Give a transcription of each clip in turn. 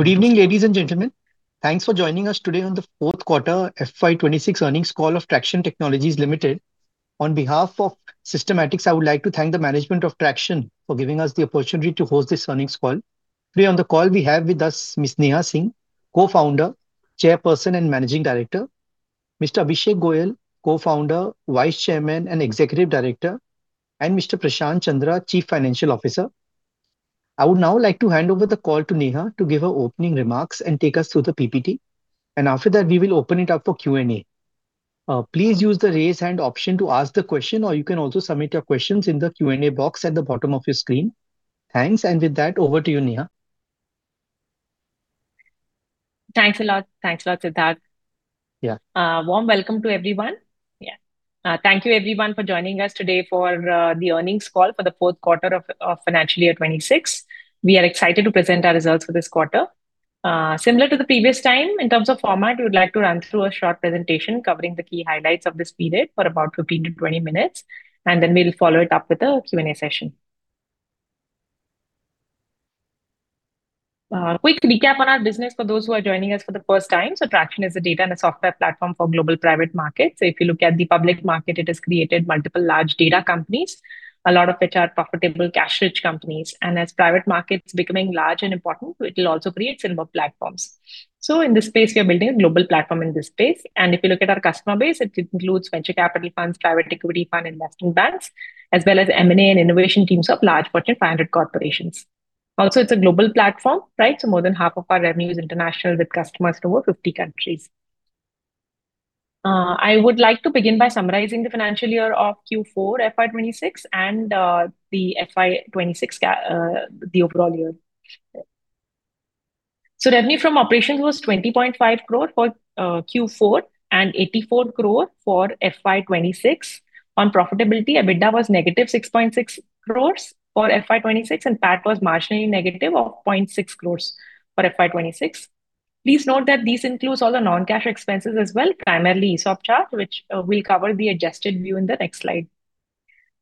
Good evening, ladies and gentlemen. Thanks for joining us today on the fourth quarter FY 2026 earnings call of Tracxn Technologies Limited. On behalf of Systematix, I would like to thank the management of Tracxn for giving us the opportunity to host this earnings call. Today on the call, we have with us Ms. Neha Singh, Co-founder, Chairperson, and Managing Director, Mr. Abhishek Goyal, Co-founder, Vice Chairman, and Executive Director, and Mr. Prashant Chandra, Chief Financial Officer. I would now like to hand over the call to Neha to give her opening remarks and take us through the PPT. After that, we will open it up for Q&A. Please use the raise hand option to ask the question, or you can also submit your questions in the Q&A box at the bottom of your screen. Thanks, and with that, over to you, Neha. Thanks a lot, Sidharth. Yeah. A warm welcome to everyone. Thank you, everyone, for joining us today for the earnings call for the fourth quarter of financial year 2026. We are excited to present our results for this quarter. Similar to the previous time, in terms of format, we'd like to run through a short presentation covering the key highlights of this period for about 15 minutes-20 minutes, and then we'll follow it up with a Q&A session. A quick recap on our business for those who are joining us for the first time. Tracxn is a data and software platform for global private markets. If you look at the public market, it has created multiple large data companies, a lot of which are profitable cash-rich companies. As private markets are becoming large and important, it will also create similar platforms. In this space, we are building a global platform in this space. If you look at our customer base, it includes venture capital funds, private equity funds, investment banks, as well as M&A and innovation teams of large Fortune 500 corporations. It's a global platform. More than 1/2 of our revenue is international, with customers in over 50 countries. I would like to begin by summarizing the financial year of Q4 FY 2026 and the FY 2026 overall year. Revenue from operations was 20.5 crore for Q4 and 84 crore for FY 2026. On profitability, EBITDA was -6.6 crore for FY 2026, and PAT was marginally negative of 0.6 crore for FY 2026. Please note that these include all the non-cash expenses as well, primarily stock options, which we'll cover the adjusted view in the next slide.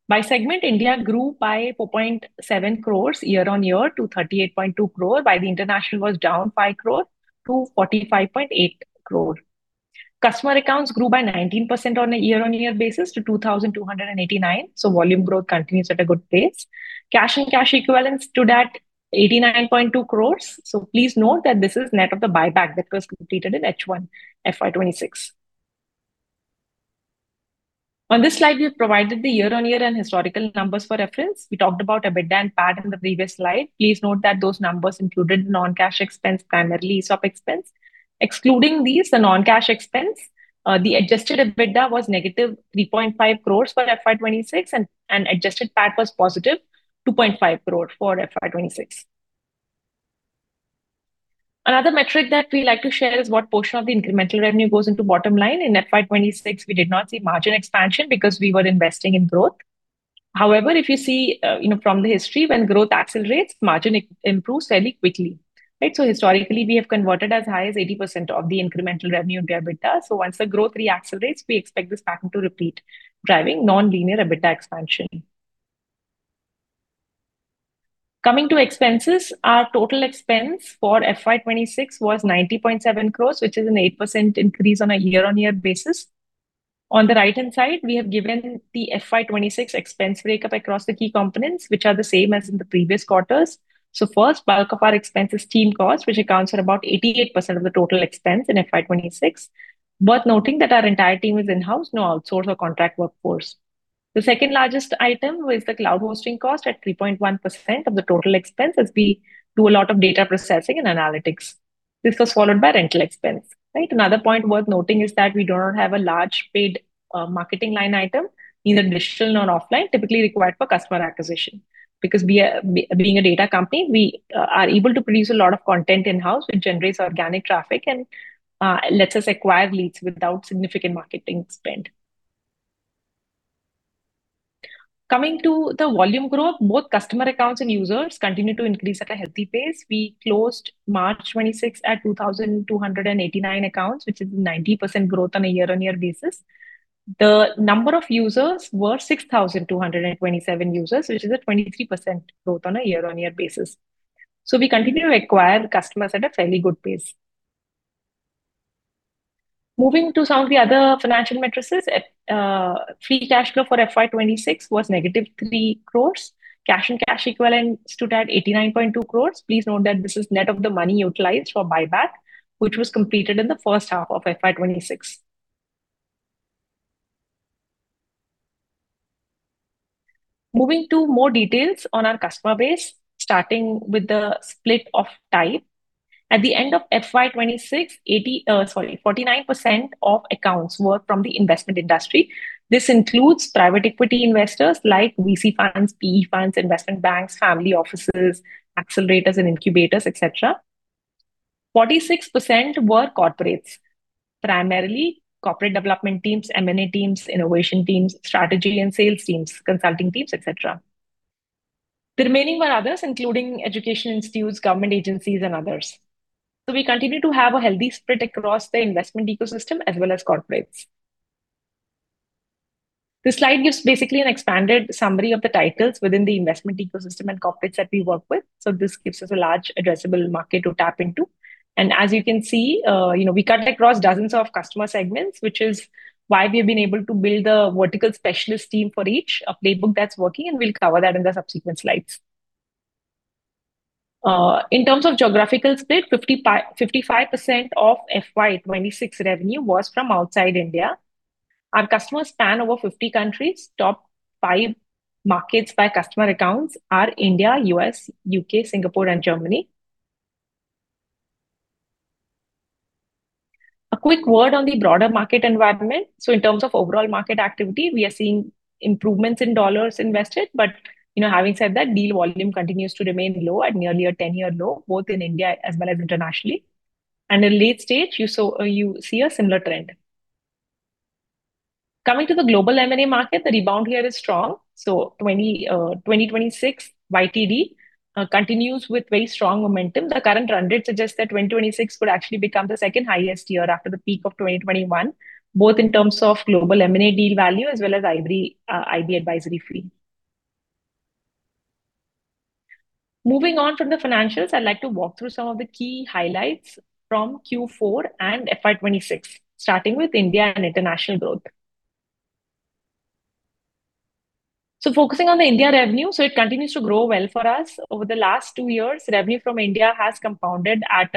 By segment, India grew by 4.7 crore year-on-year to 38.2 crore, while the international was down by 45.8 crore. Customer accounts grew by 19% on a year-on-year basis to 2,289, so volume growth continues at a good pace. Cash and cash equivalents stood at 89.2 crore. Please note that this is net of the buyback that was completed in H1 FY 2026. On this slide, we've provided the year-on-year and historical numbers for reference. We talked about EBITDA and PAT in the previous slide. Please note that those numbers included non-cash expense, primarily stock expense. Excluding these non-cash expense, the adjusted EBITDA was -3.5 crore for FY 2026, and adjusted PAT was +2.5 crore for FY 2026. Another metric that we like to share is what portion of the incremental revenue goes into bottom line. In FY 2026, we did not see margin expansion because we were investing in growth. If you see from the history, when growth accelerates, margin improves fairly quickly. Historically, we have converted as high as 80% of the incremental revenue into EBITDA. Once the growth re-accelerates, we expect this pattern to repeat, driving non-linear EBITDA expansion. Coming to expenses, our total expense for FY 2026 was 90.7 crore, which is an 8% increase on a year-on-year basis. On the right-hand side, we have given the FY 2026 expense breakup across the key components, which are the same as in the previous quarters. First, bulk of our expense is team cost, which accounts for about 88% of the total expense in FY 2026. Worth noting that our entire team is in-house, no outsource or contract workforce. The second-largest item was the cloud hosting cost at 3.1% of the total expense, as we do a lot of data processing and analytics. This was followed by rental expense. Another point worth noting is that we do not have a large paid marketing line item, either digital or offline, typically required for customer acquisition. Being a data company, we are able to produce a lot of content in-house, which generates organic traffic and lets us acquire leads without significant marketing spend. Coming to the volume growth, both customer accounts and users continue to increase at a healthy pace. We closed March 2026 at 2,289 accounts, which is 90% growth on a year-on-year basis. The number of users was 6,227 users, which is a 23% growth on a year-on-year basis. We continue to acquire customers at a fairly good pace. Moving to some of the other financial metrics. Free cash flow for FY 2026 was -3 crores. Cash and cash equivalents stood at 89.2 crores. Please note that this is net of the money utilized for buyback, which was completed in the first half of FY 2026. Moving to more details on our customer base, starting with the split of type. At the end of FY 2026, 49% of accounts were from the investment industry. This includes private equity investors like VC funds, PE funds, investment banks, family offices, accelerators and incubators, et cetera. 46% were corporates, primarily corporate development teams, M&A teams, innovation teams, strategy and sales teams, consulting teams, et cetera. The remaining were others, including education institutes, government agencies, and others. We continue to have a healthy split across the investment ecosystem as well as corporates. This slide is basically an expanded summary of the titles within the investment ecosystem and corporates that we work with. This gives us a large addressable market to tap into. As you can see, we cut across dozens of customer segments, which is why we've been able to build a vertical specialist team for each, a playbook that's working, and we'll cover that in the subsequent slides. In terms of geographical split, 55% of FY 2026 revenue was from outside India. Our customers span over 50 countries. Top five markets by customer accounts are India, U.S., U.K., Singapore, and Germany. A quick word on the broader market environment. In terms of overall market activity, we are seeing improvements in dollars invested. Having said that, deal volume continues to remain low at nearly a 10-year low, both in India as well as internationally. In late stage, you see a similar trend. Coming to the global M&A market, the rebound here is strong. 2026 YTD continues with very strong momentum. The current run rate suggests that 2026 could actually become the second highest year after the peak of 2021, both in terms of global M&A deal value as well as IB advisory fee. Moving on from the financials, I'd like to walk through some of the key highlights from Q4 and FY 2026, starting with India and international growth. Focusing on the India revenue, it continues to grow well for us. Over the last two years, revenue from India has compounded at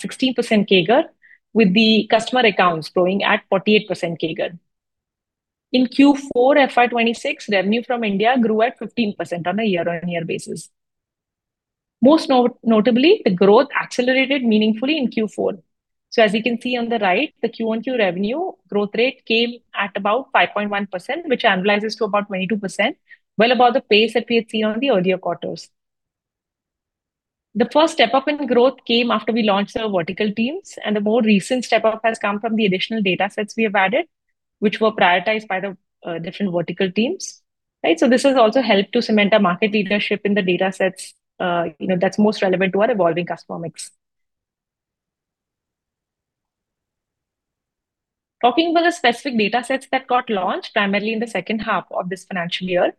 60% CAGR, with the customer accounts growing at 48% CAGR. In Q4 FY 2026, revenue from India grew at 15% on a year-on-year basis. Most notably, the growth accelerated meaningfully in Q4. As you can see on the right, the Q1 revenue growth rate came at about 5.1%, which annualizes to about 22%, well above the pace that we had seen on the earlier quarters. The first step-up in the growth came after we launched our vertical teams, and the more recent step-up has come from the additional datasets we have added, which were prioritized by the different vertical teams. This has also helped to cement our market leadership in the datasets that's most relevant to our evolving customer mix. Talking about the specific datasets that got launched primarily in the second half of this financial year.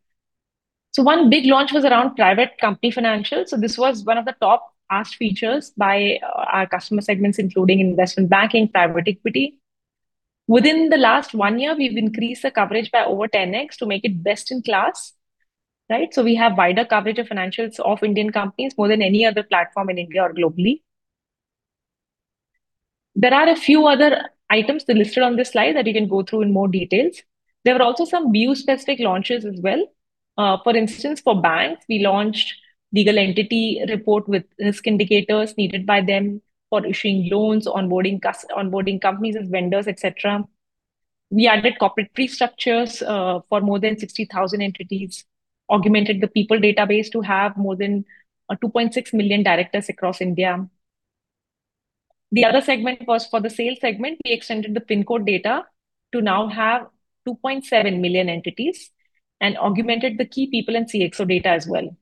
One big launch was around private company financials. This was one of the top-asked features by our customer segments, including investment banking, private equity. Within the last one year, we've increased the coverage by over 10X to make it best in class. We have wider coverage of financials of Indian companies more than any other platform in India or globally. There are a few other items listed on this slide that we can go through in more details. There are also some view-specific launches as well. For instance, for banks, we launched legal entity report with risk indicators needed by them for issuing loans, onboarding companies as vendors, et cetera. We added corporate tree structures for more than 60,000 entities, augmented the people database to have more than 2.6 million directors across India. The other segment was for the sales segment. We extended the pin code data to now have 2.7 million entities and augmented the key people and CXO data as well.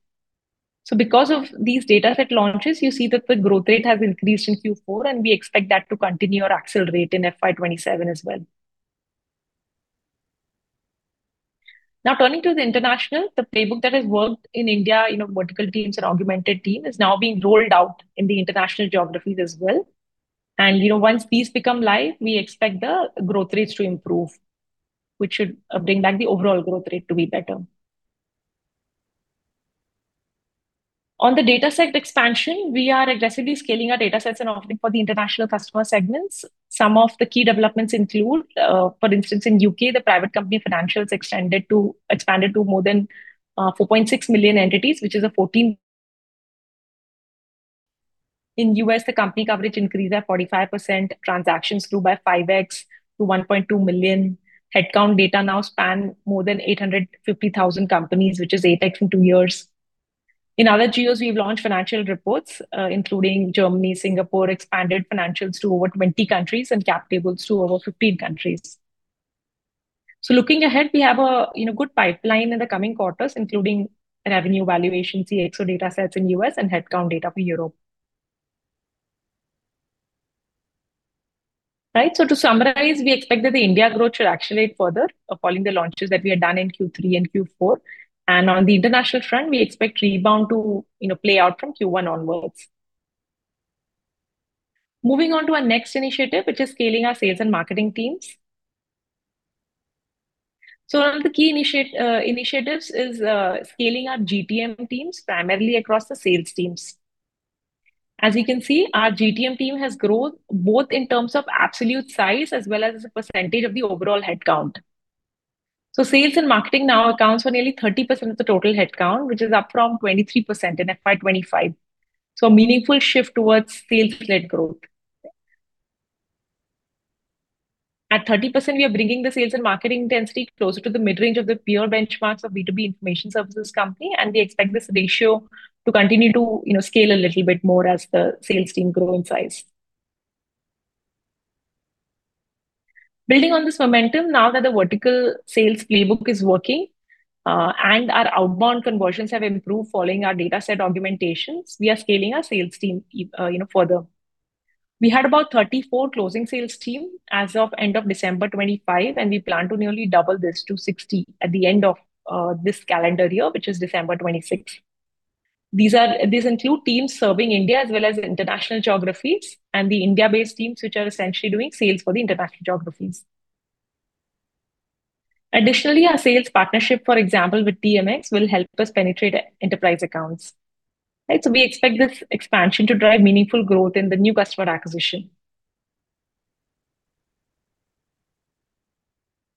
Because of these dataset launches, you see that the growth rate has increased in Q4, and we expect that to continue or accelerate in FY 2027 as well. Coming to the international, the playbook that has worked in India, vertical teams, augmented team, is now being rolled out in the international geographies as well. Once these become live, we expect the growth rates to improve, which should bring back the overall growth rate to be better. On the dataset expansion, we are aggressively scaling our datasets and offering for the international customer segments. Some of the key developments include, for instance, in U.K., the private company financials expanded to more than 4.6 million entities, which is a 14. In U.S., the company coverage increased by 45%, transactions grew by 5x to 1.2 million. Headcount data now span more than 850,000 companies, which is 8x in two years. In other geos, we launched financial reports including Germany, Singapore, expanded financials to over 20 countries, and cap tables to over 15 countries. Looking ahead, we have a good pipeline in the coming quarters, including revenue valuation, CXO datasets in U.S., and headcount data for Europe. To summarize, we expect that the India growth should accelerate further following the launches that we have done in Q3 and Q4. On the international front, we expect rebound to play out from Q1 onwards. Moving on to our next initiative, which is scaling our sales and marketing teams. One of the key initiatives is scaling our GTM teams primarily across the sales teams. As you can see, our GTM team has grown both in terms of absolute size as well as a percentage of the overall headcount. Sales and marketing now accounts for nearly 30% of the total headcount, which is up from 23% in FY 2025. A meaningful shift towards sales-led growth. At 30%, we are bringing the sales and marketing density closer to the mid-range of the peer benchmarks of B2B information services company, and we expect this ratio to continue to scale a little bit more as the sales team grow in size. Building on this momentum now that the vertical sales playbook is working and our outbound conversions have improved following our dataset augmentations, we are scaling our sales team further. We had about 34 closing sales team as of end of December 2025, and we plan to nearly double this to 60 at the end of this calendar year, which is December 2026. These include teams serving India as well as international geographies and the India-based teams, which are essentially doing sales for the international geographies. Additionally, our sales partnership, for example, with TMX will help us penetrate enterprise accounts. We expect this expansion to drive meaningful growth in the new customer acquisition.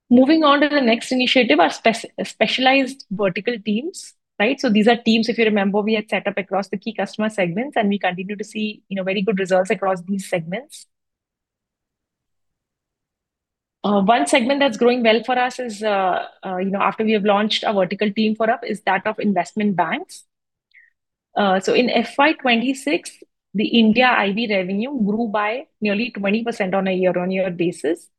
Moving on to the next initiative, our specialized vertical teams. These are teams, if you remember, we had set up across the key customer segments, and we continue to see very good results across these segments. One segment that's going well for us is, after we have launched our vertical team for, is that of investment banks. In FY 2026, the India IB revenue grew by nearly 20% on a year-over-year basis,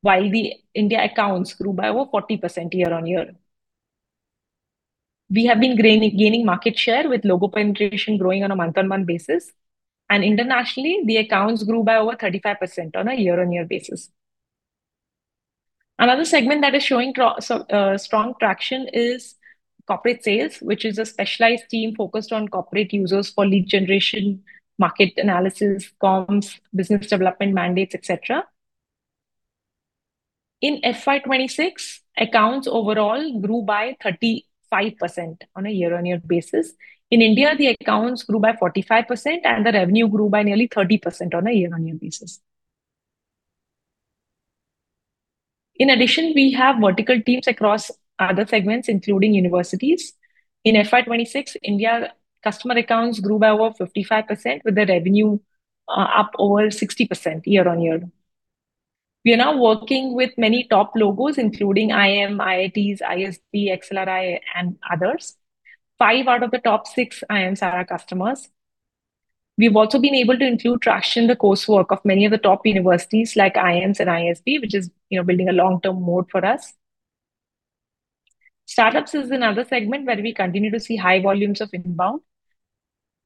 while the India accounts grew by over 40% year-over-year. We have been gaining market share with logo penetration growing on a month-on-month basis, and internationally, the accounts grew by over 35% on a year-on-year basis. Another segment that is showing strong traction is corporate sales, which is a specialized team focused on corporate users for lead generation, market analysis, comps, business development mandates, et cetera. In FY 2026, accounts overall grew by 35% on a year-on-year basis. In India, the accounts grew by 45% and the revenue grew by nearly 30% on a year-on-year basis. In addition, we have vertical teams across other segments, including universities. In FY 2026, India customer accounts grew by over 55% with the revenue up over 60% year-on-year. We are now working with many top logos, including IIM, IITs, ISB, XLRI and others. Five out of the top six IIMs are our customers. We've also been able to include Tracxn in the coursework of many of the top universities like IIMs and ISB, which is building a long-term mode for us. Startups is another segment where we continue to see high volumes of inbound.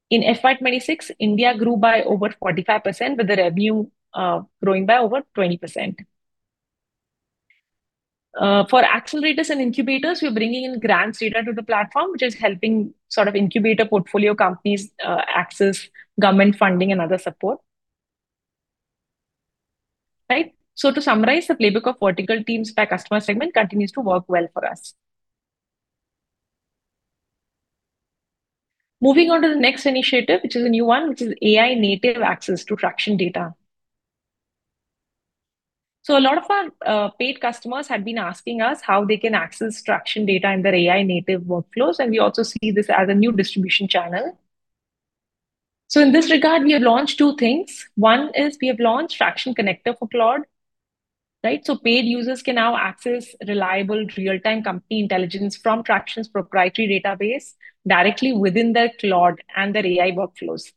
In FY 2026, India grew by over 45% with the revenue growing by over 20%. For accelerators and incubators, we're bringing in grants data to the platform, which is helping incubator portfolio companies access government funding and other support. To summarize, the playbook of vertical teams by customer segment continues to work well for us. Moving on to the next initiative, which is a new one, which is AI native access to Tracxn data. A lot of our paid customers have been asking us how they can access Tracxn data in their AI native workflows, and we also see this as a new distribution channel. In this regard, we have launched two things. One is we have launched Tracxn Connector for Cloud. Paid users can now access reliable real-time company intelligence from Tracxn's proprietary database directly within their cloud and their AI workflows.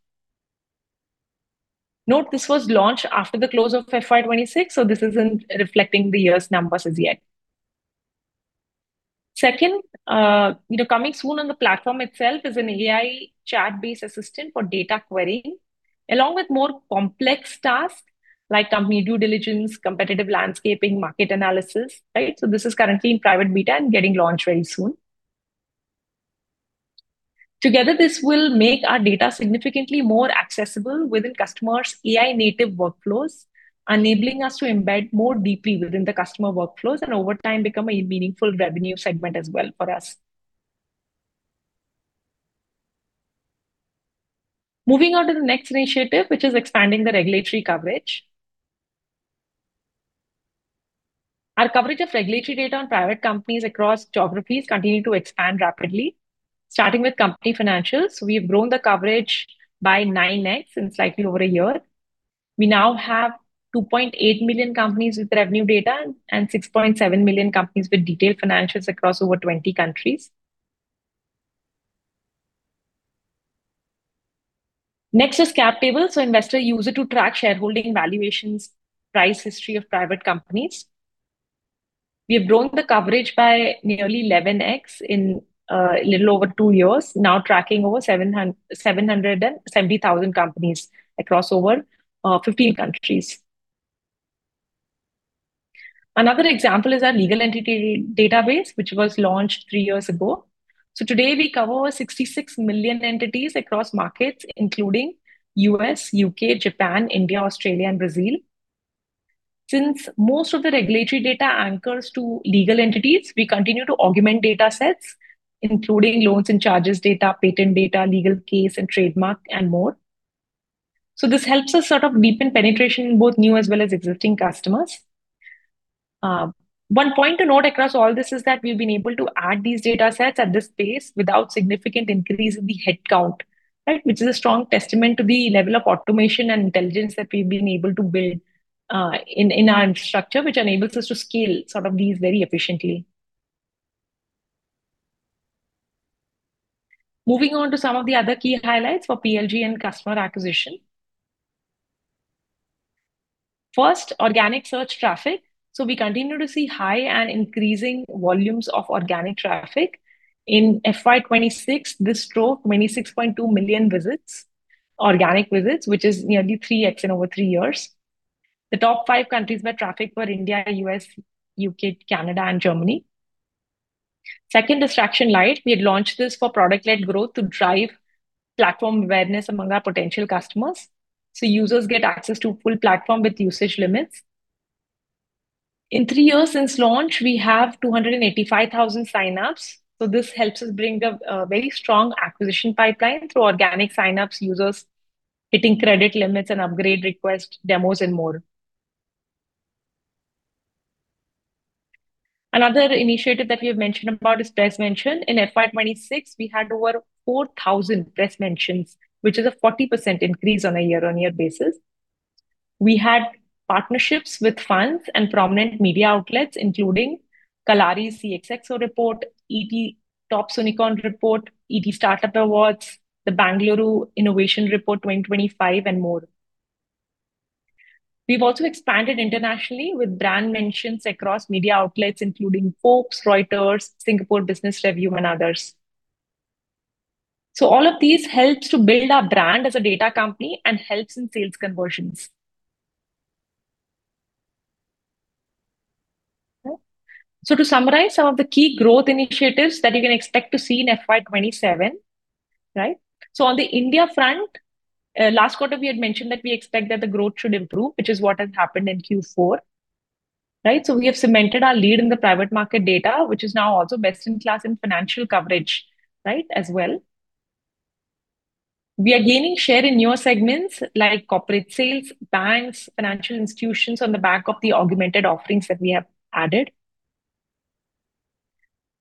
Note, this was launched after the close of FY 2026, this isn't reflecting the year's numbers as yet. Second, coming soon on the platform itself is an AI chat-based assistant for data querying, along with more complex tasks like company due diligence, competitive landscaping, market analysis. This is currently in private beta and getting launched very soon. Together, this will make our data significantly more accessible within customers' AI native workflows, enabling us to embed more deeply within the customer workflows and over time, become a meaningful revenue segment as well for us. Moving on to the next initiative, which is expanding the regulatory coverage. Our coverage of regulatory data on private companies across geographies continue to expand rapidly. Starting with company financials, we've grown the coverage by 9X in slightly over a year. We now have 2.8 million companies with revenue data and 6.7 million companies with detailed financials across over 20 countries. Next is cap tables investor user to track shareholding valuations, price history of private companies. We've grown the coverage by nearly 11X in a little over two years. Now tracking over 770,000 companies across over 15 countries. Another example is our legal entity database, which was launched three years ago. Today we cover over 66 million entities across markets including U.S., U.K., Japan, India, Australia, and Brazil. Since most of the regulatory data anchors to legal entities, we continue to augment datasets, including loans and charges data, patent data, legal case, and trademark, and more. This helps us deepen penetration in both new as well as existing customers. One point to note across all this is that we've been able to add these datasets at this pace without significant increase in the headcount. Which is a strong testament to the level of automation and intelligence that we've been able to build in our infrastructure, which enables us to scale these very efficiently. Moving on to some of the other key highlights for PLG and customer acquisition. First, organic search traffic. We continue to see high and increasing volumes of organic traffic. In FY 2026, this drove 26.2 million visits, organic visits, which is nearly 3x in over three years. The top five countries by traffic were India, U.S., U.K., Canada, and Germany. Second is Tracxn Lite. We have launched this for product-led growth to drive platform awareness among our potential customers. Users get access to a full platform with usage limits. In three years since launch, we have 285,000 sign-ups. This helps us build a very strong acquisition pipeline through organic sign-ups, users hitting credit limits and upgrade requests, demos, and more. Another initiative that we've mentioned a lot is press mentions. In FY 2026, we had over 4,000 press mentions, which is a 40% increase on a year-on-year basis. We had partnerships with funds and prominent media outlets including Kalaari, CXXO Report, ET, Top Soonicorn Report, ET Startup Awards, the Bengaluru Innovation Report 2025, and more. We've also expanded internationally with brand mentions across media outlets including Forbes, Reuters, Singapore Business Review, and others. All of these help to build our brand as a data company and help in sales conversions. To summarize some of the key growth initiatives that you can expect to see in FY 2027. On the India front, last quarter we had mentioned that we expect that the growth should improve, which is what had happened in Q4. We have cemented our lead in the private market data, which is now also best-in-class in financial coverage as well. We are gaining share in new segments like corporate sales, banks, financial institutions on the back of the augmented offerings that we have added.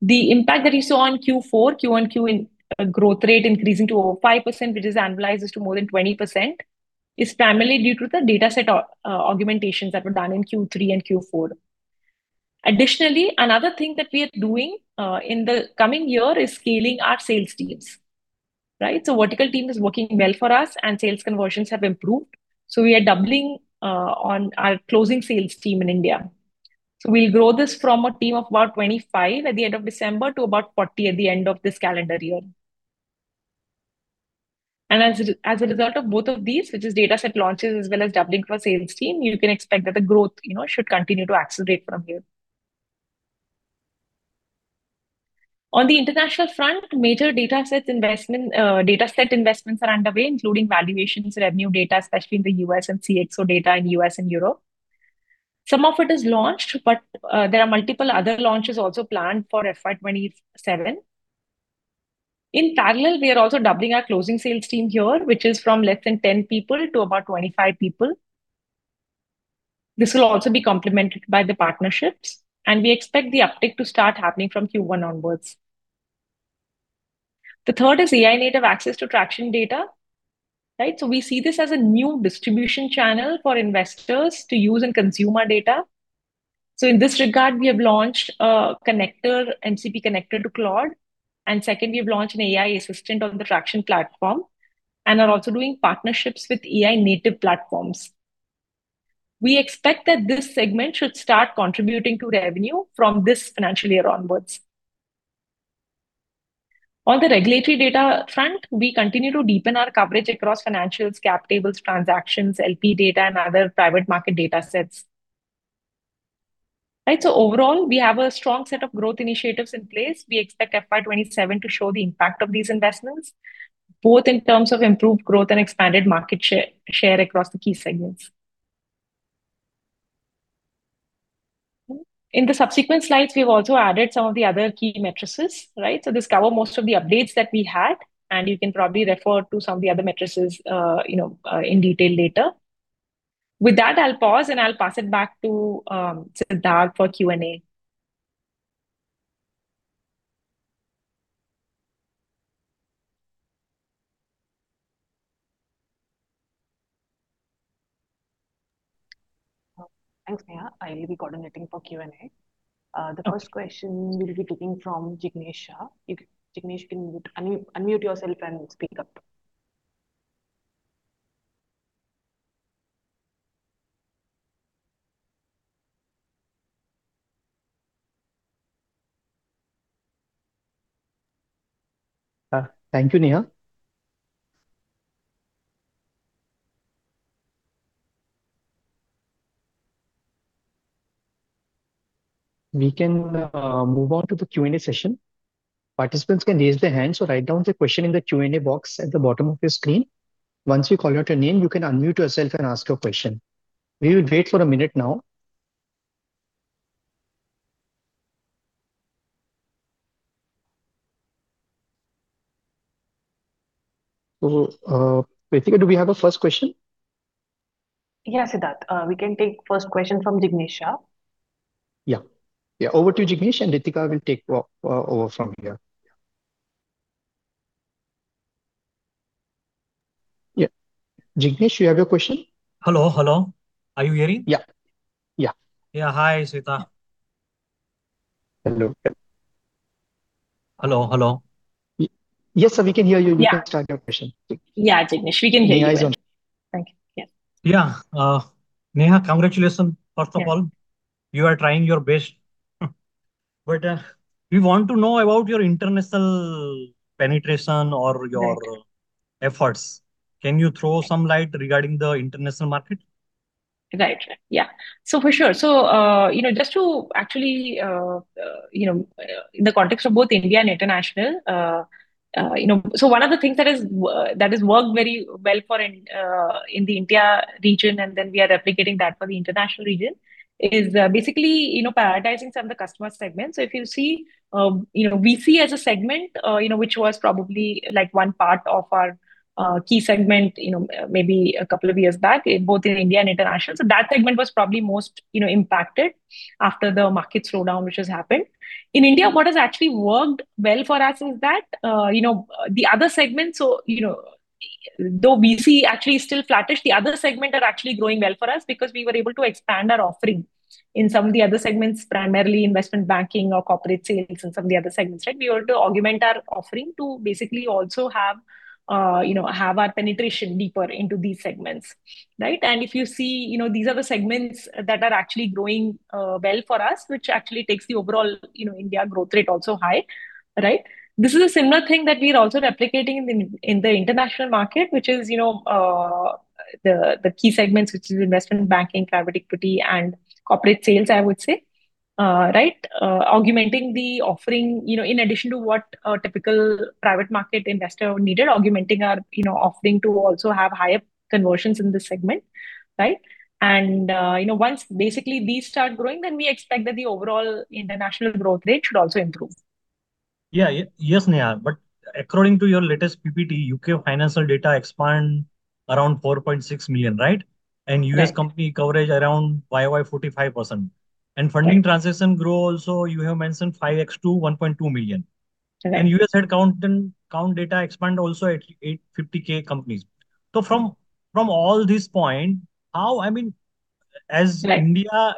The impact that we saw on Q4, Q1 QoQ in growth rate increasing to over 5%, which is annualized to more than 20%, is primarily due to the dataset augmentations that were done in Q3 and Q4. Additionally, another thing that we are doing in the coming year is scaling our sales teams. Vertical team is working well for us, and sales conversions have improved. We are doubling on our closing sales team in India. We'll grow this from a team of about 25 at the end of December to about 40 at the end of this calendar year. As a result of both of these, which is dataset launches as well as doubling our sales team, you can expect that the growth should continue to accelerate from here. On the international front, major dataset investments are underway, including valuations, revenue data, especially in the U.S., and CXO data in U.S. and Europe. Some of it is launched, there are multiple other launches also planned for FY 2027. In parallel, we are also doubling our closing sales team here, which is from less than 10 people to about 25 people. This will also be complemented by the partnerships, we expect the uptick to start happening from Q1 onwards. The third is AI-native access to Tracxn data. We see this as a new distribution channel for investors to use and consume our data. In this regard, we have launched a connector, MCP connector to Cloud, and secondly, we've launched an AI assistant on the Tracxn platform and are also doing partnerships with AI-native platforms. We expect that this segment should start contributing to revenue from this financial year onwards. On the regulatory data front, we continue to deepen our coverage across financials, cap tables, transactions, LP data, and other private market datasets. Overall, we have a strong set of growth initiatives in place. We expect FY 2027 to show the impact of these investments, both in terms of improved growth and expanded market share across the key segments. In the subsequent slides, we've also added some of the other key metrics. This covers most of the updates that we had, and you can probably refer to some of the other metrics in detail later. With that, I'll pause, and I'll pass it back to Sidharth for Q&A. Thanks, Neha. I'll be coordinating for Q&A. The first question we'll be taking from Jignesh Shah. If Jignesh can unmute yourself, you can speak up. Thank you, Neha. We can move on to the Q&A session. Participants can raise their hands or write down the question in the Q&A box at the bottom of your screen. Once we call out your name, you can unmute yourself and ask your question. We will wait for one minute now. Ritika, do we have a first question? Yes, Sidharth. We can take the first question from Jignesh Shah. Yeah. Over to Jignesh, and Ritika will take over from here. Yeah. Jignesh, you have a question? Hello. Are you hearing? Yeah. Yeah. Hi, Sidharth. Hello? Yes, sir, we can hear you. You can start your question. Yeah. She can hear you. Yeah. Neha, congratulations, first of all. You are trying your best. We want to know about your international penetration or your efforts. Can you throw some light regarding the international market? Right. Yeah. For sure. Actually, in the context of both India and international, one of the things that has worked very well in the India region, and then we are replicating that for the international region is basically prioritizing some of the customer segments. If you see, VC as a segment which was probably one part of our key segment maybe a couple of years back, both in India and international. That segment was probably most impacted after the market slowdown which has happened. In India, what has actually worked well for us is that the other segments, though VC actually is still flattish, the other segment are actually doing well for us because we were able to expand our offering in some of the other segments, primarily investment banking or corporate sales and some of the other segments. We were to augment our offering to basically also have our penetration deeper into these segments. Right? If you see, these are the segments that are actually growing well for us, which actually takes the overall India growth rate also high. Right? This is a similar thing that we are also replicating in the international market, which is the key segments, which is investment banking, private equity, and corporate sales, I would say. Right? Augmenting the offering, in addition to what a typical private market investor needed, augmenting our offering to also have higher conversions in this segment. Right? Once basically these start growing, then we expect that the overall international growth rate should also improve. Yes, Neha, according to your latest PPT, U.K. financial data expand around 4.6 million, right? U.S. company coverage around YY 45%. Funding transaction grow also, you have mentioned 5x to 1.2 million. U.S. count data expand also at 850,000 companies. From all these point, as India,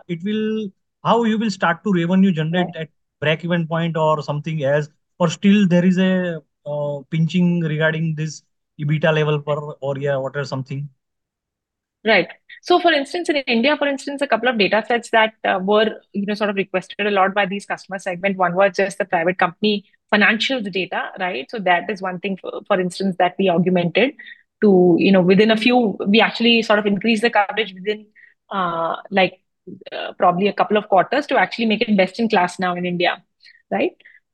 how you will start to revenue generate at breakeven point or something else, or still there is a pinching regarding this EBITDA level for a year or whatever something? Right. For instance, in India, for instance, a couple of datasets that were sort of requested a lot by these customer segment. One was just the private company financial data, right? That is one thing, for instance, that we augmented. We actually sort of increased the coverage within probably a couple of quarters to actually make it best in class now in India.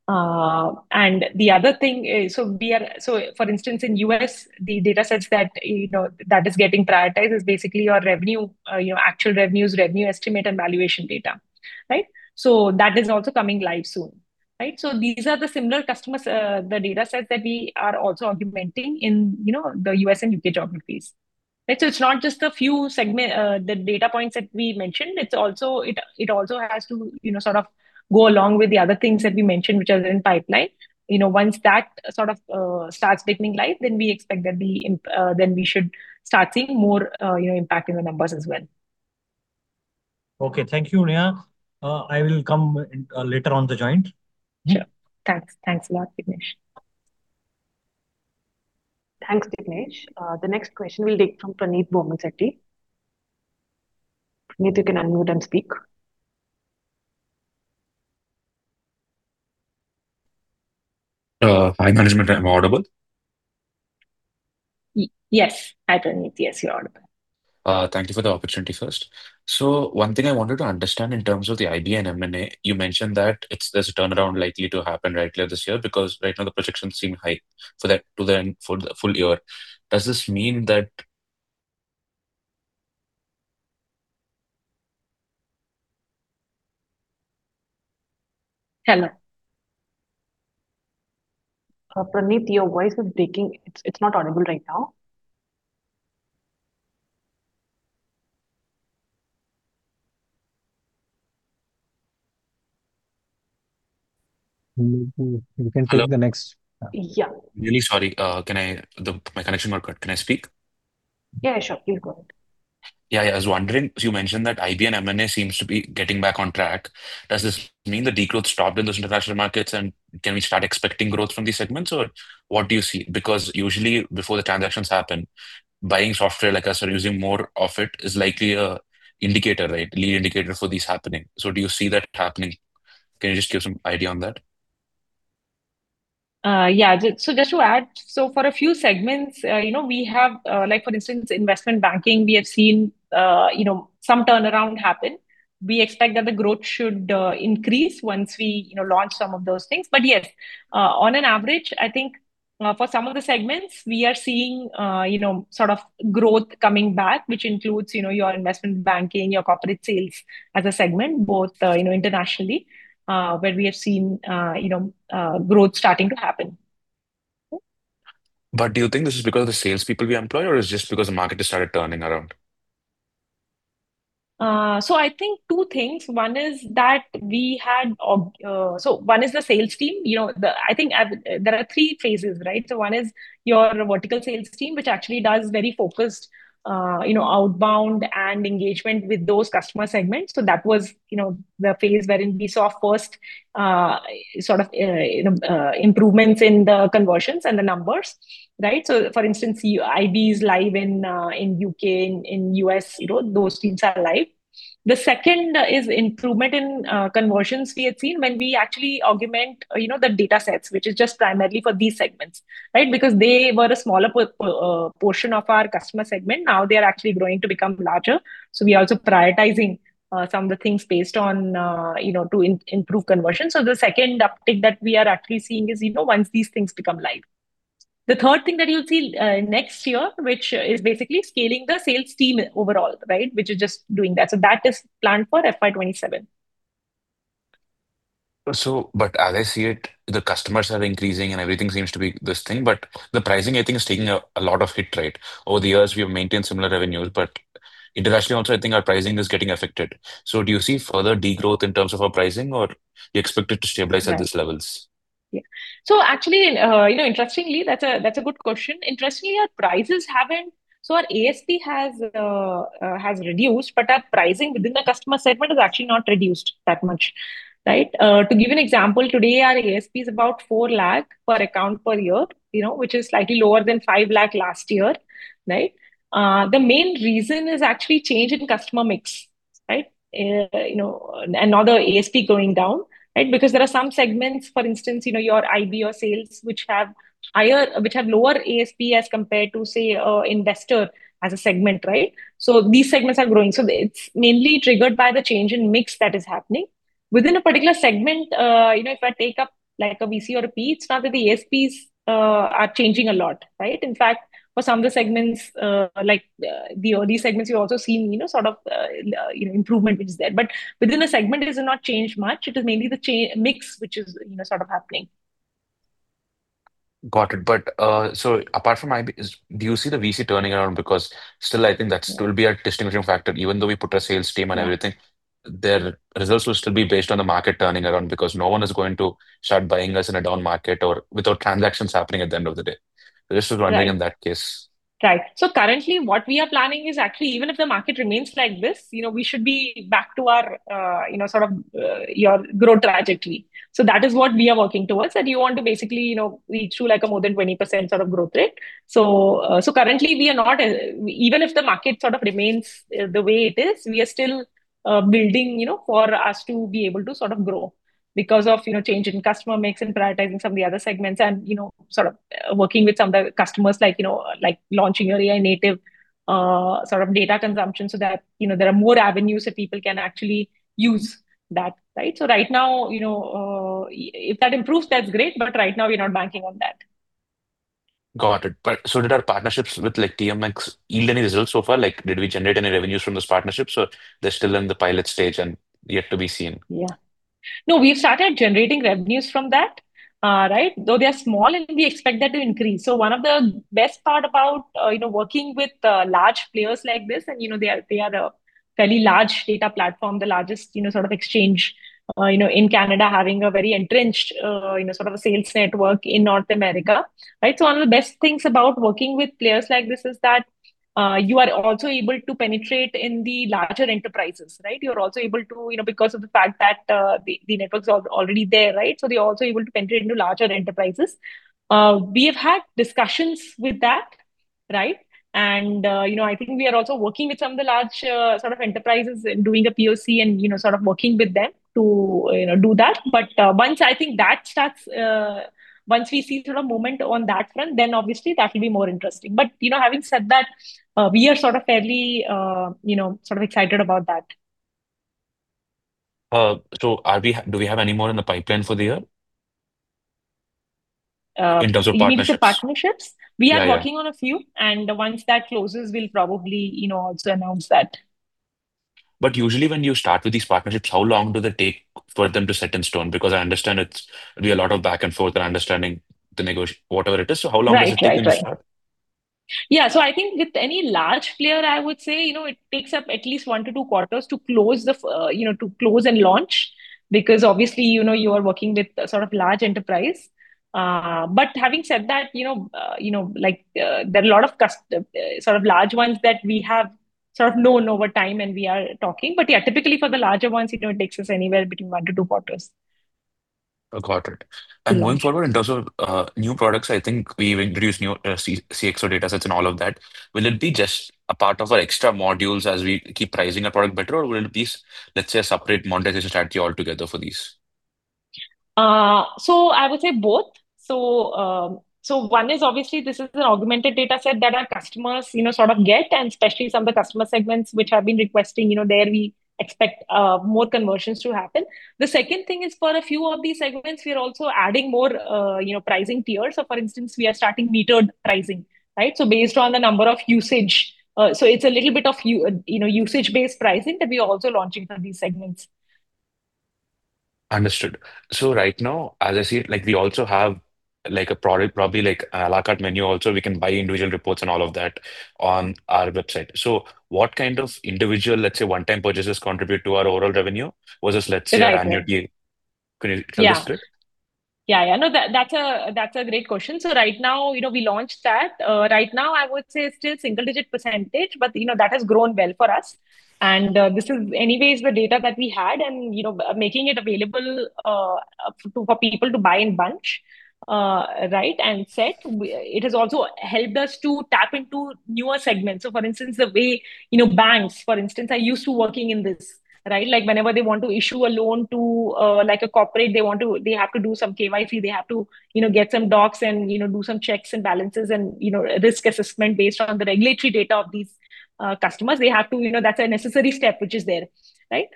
Right? The other thing is, for instance, in U.S., the datasets that is getting prioritized is basically your revenue, your actual revenues, revenue estimate, and valuation data. Right? That is also coming live soon. Right? These are the similar customers, the dataset that we are also augmenting in the U.S. and U.K. geographies. It's not just the few segment, the data points that we mentioned, it also has to sort of go along with the other things that we mentioned, which are in pipeline. Once that sort of starts getting live, then we expect that we should start seeing more impact in the numbers as well. Okay. Thank you, Neha. I will come later on the joint. Yeah. Thanks a lot, Jignesh. Thanks, Jignesh. The next question will be from Praneeth Bommisetti. Praneeth, you can unmute and speak. Hi, management. Am I audible? Yes. Hi, Praneeth. Yes, you're audible. Thank you for the opportunity first. One thing I wanted to understand in terms of the IB in M&A, you mentioned that it's just a turnaround likely to happen right here this year, because right now the projections seem high for the full year. Does this mean that? Hello? Praneeth, your voice is breaking. It is not audible right now. Maybe we can take. Yeah. Really sorry. My connection got cut. Can I speak? Yeah, sure. You can go ahead. Yeah, I was wondering, you mentioned that IB in M&A seems to be getting back on track. Does this mean the decline stopped in those international markets and can we start expecting growth from these segments? What do you see? Usually before the transactions happen, buying software, like I said, using more of it is likely a lead indicator for this happening. Do you see that happening? Can you just give some idea on that? Just to add, for a few segments we have, for instance, investment banking, we have seen some turnaround happen. We expect that the growth should increase once we launch some of those things. Yes, on an average, I think for some of the segments, we are seeing sort of growth coming back, which includes your investment banking, your corporate sales as a segment, both internationally, where we have seen growth starting to happen. Do you think it's because the salespeople get employed or it's just because the market started turning around? I think two things. One is the sales team. I think there are three phases. One is your vertical sales team, which actually does very focused outbound and engagement with those customer segments. That was the phase wherein we saw first improvements in the conversions and the numbers. For instance, IBs live in U.K. and in U.S., those teams are live. The second is improvement in conversions we have seen when we actually augment the datasets, which is just primarily for these segments. Because they were a smaller portion of our customer segment, now they're actually going to become larger. We're also prioritizing some of the things based on to improve conversion. The second thing that we are actually seeing is once these things become live. The third thing that you'll see next year, which is basically scaling the sales team overall. Which is just doing that. That is planned for FY 2027. As I see it, the customers are increasing and everything seems to be this thing, but the pricing, I think, is taking a lot of hit. Over the years, we have maintained similar revenues, but internationally also, I think our pricing is getting affected. Do you see further degrowth in terms of our pricing, or do you expect it to stabilize at these levels? Yeah. Actually, interestingly, that's a good question. Interestingly, our prices haven't. Our ASP has reduced, but our pricing within the customer segment is actually not reduced that much. To give you an example, today our ASP is about 4 lakh per account per year, which is slightly lower than 5 lakh last year. The main reason is actually change in customer mix. Not our ASP going down. Because there are some segments, for instance, your IB or sales, which have lower ASP as compared to, say, investor as a segment. These segments are growing. It's mainly triggered by the change in mix that is happening. Within a particular segment, if I take up like a VC or a PE, it's not that the ASPs are changing a lot. In fact, for some of the segments, like the early segments, you're also seeing improvement is there. Within the segment, it has not changed much. It is mainly the mix which is happening. Got it. Apart from IB, do you see the VC turning around? Still I think that's still be a distinguishing factor, even though we put a sales team and everything, their results will still be based on the market turning around because no one is going to start buying us in a down market or without transactions happening at the end of the day. The results will only in that case. Right. Currently what we are planning is actually even if the market remains like this, we should be back to our growth trajectory. That is what we are working towards. We want to basically reach to like a more than 20% sort of growth rate. Currently, even if the market remains the way it is, we are still building for us to be able to grow because of change in customer mix and prioritizing some of the other segments and working with some of the customers like launching AI native data consumption so that there are more avenues that people can actually use that. If that improves, that's great, but right now we're not banking on that. Got it. Did our partnerships with TMX, [alone is also far like, did we generate any revenue from this partnership? They're still in the pilot stage and yet to be seen. No, we started generating revenues from that. Though they're small and we expect that to increase. One of the best part about working with large players like this, and they are a fairly large data platform, the largest exchange in Canada having a very entrenched sales network in North America. One of the best things about working with players like this is that you are also able to penetrate in the larger enterprises. You're also able to, because of the fact that the networks are already there. We're also able to penetrate into larger enterprises. We've had discussions with that. I think we are also working with some of the large enterprises and doing a POC and working with them to do that. Once we see sort of momentum on that one, then obviously that'll be more interesting. Having said that, we are fairly excited about that. Do we have any more in the pipeline for the year in terms of partnerships? In terms of partnerships? Yeah. We are working on a few, and once that closes, we'll probably also announce that. Usually when you start with these partnerships, how long do they take for them to set in stone? I understand it's maybe a lot of back and forth understanding the negotiation, whatever it is. How long does that take to start? Yeah. I think with any large player, I would say, it takes up at least one to two quarters to close and launch because obviously, you are working with a large enterprise. Having said that, there are a lot of large ones that we have known over time, and we are talking. Yeah, typically for the larger ones, it takes us anywhere between one to two quarters. Got it. Going forward in terms of new products, I think we've introduced new CXO datasets and all of that. Will it be just a part of our extra modules as we keep pricing our product better or will it be, let's say, a separate monetization strategy altogether for these? I would say both. One is obviously this is an augmented dataset that our customers get, and especially some of the customer segments which have been requesting, there we expect more conversions to happen. The second thing is for a few of these segments, we are also adding more pricing tiers. For instance, we are starting metered pricing. Based on the number of usage. It's a little bit of usage-based pricing that we are also launching for these segments. Understood. Right now, as I see it, we also have a product, probably like a la carte menu. Also, we can buy individual reports and all of that on our website. What kind of individual, let's say one-time purchases contribute to our overall revenue versus, let's say, annually? Yeah. That's a great question. Right now, we launched that. Right now, I would say still single-digit percentage, but that has grown well for us. This was anyways the data that we had and making it available for people to buy in bunch, and set. It has also helped us to tap into newer segments. For instance, the way banks, for instance, are used to working in this. Whenever they want to issue a loan to a corporate, they have to do some KYC. They have to get some docs and do some checks and balances and risk assessment based on the regulatory data of these customers. That's a necessary step, which is there, right?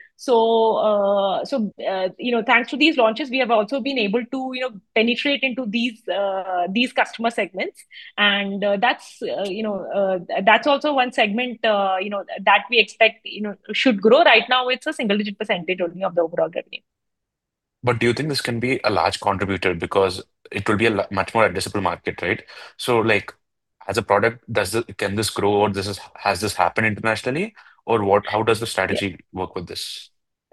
Thanks to these launches, we have also been able to penetrate into these customer segments, and that's also one segment that we expect should grow. Right now, it's a single-digit percent only of the overall revenue. Do you think this can be a large contributor because it will be much more a disciplined market, right? Like, as a product, can this grow or has this happened internationally? How does the strategy work with this?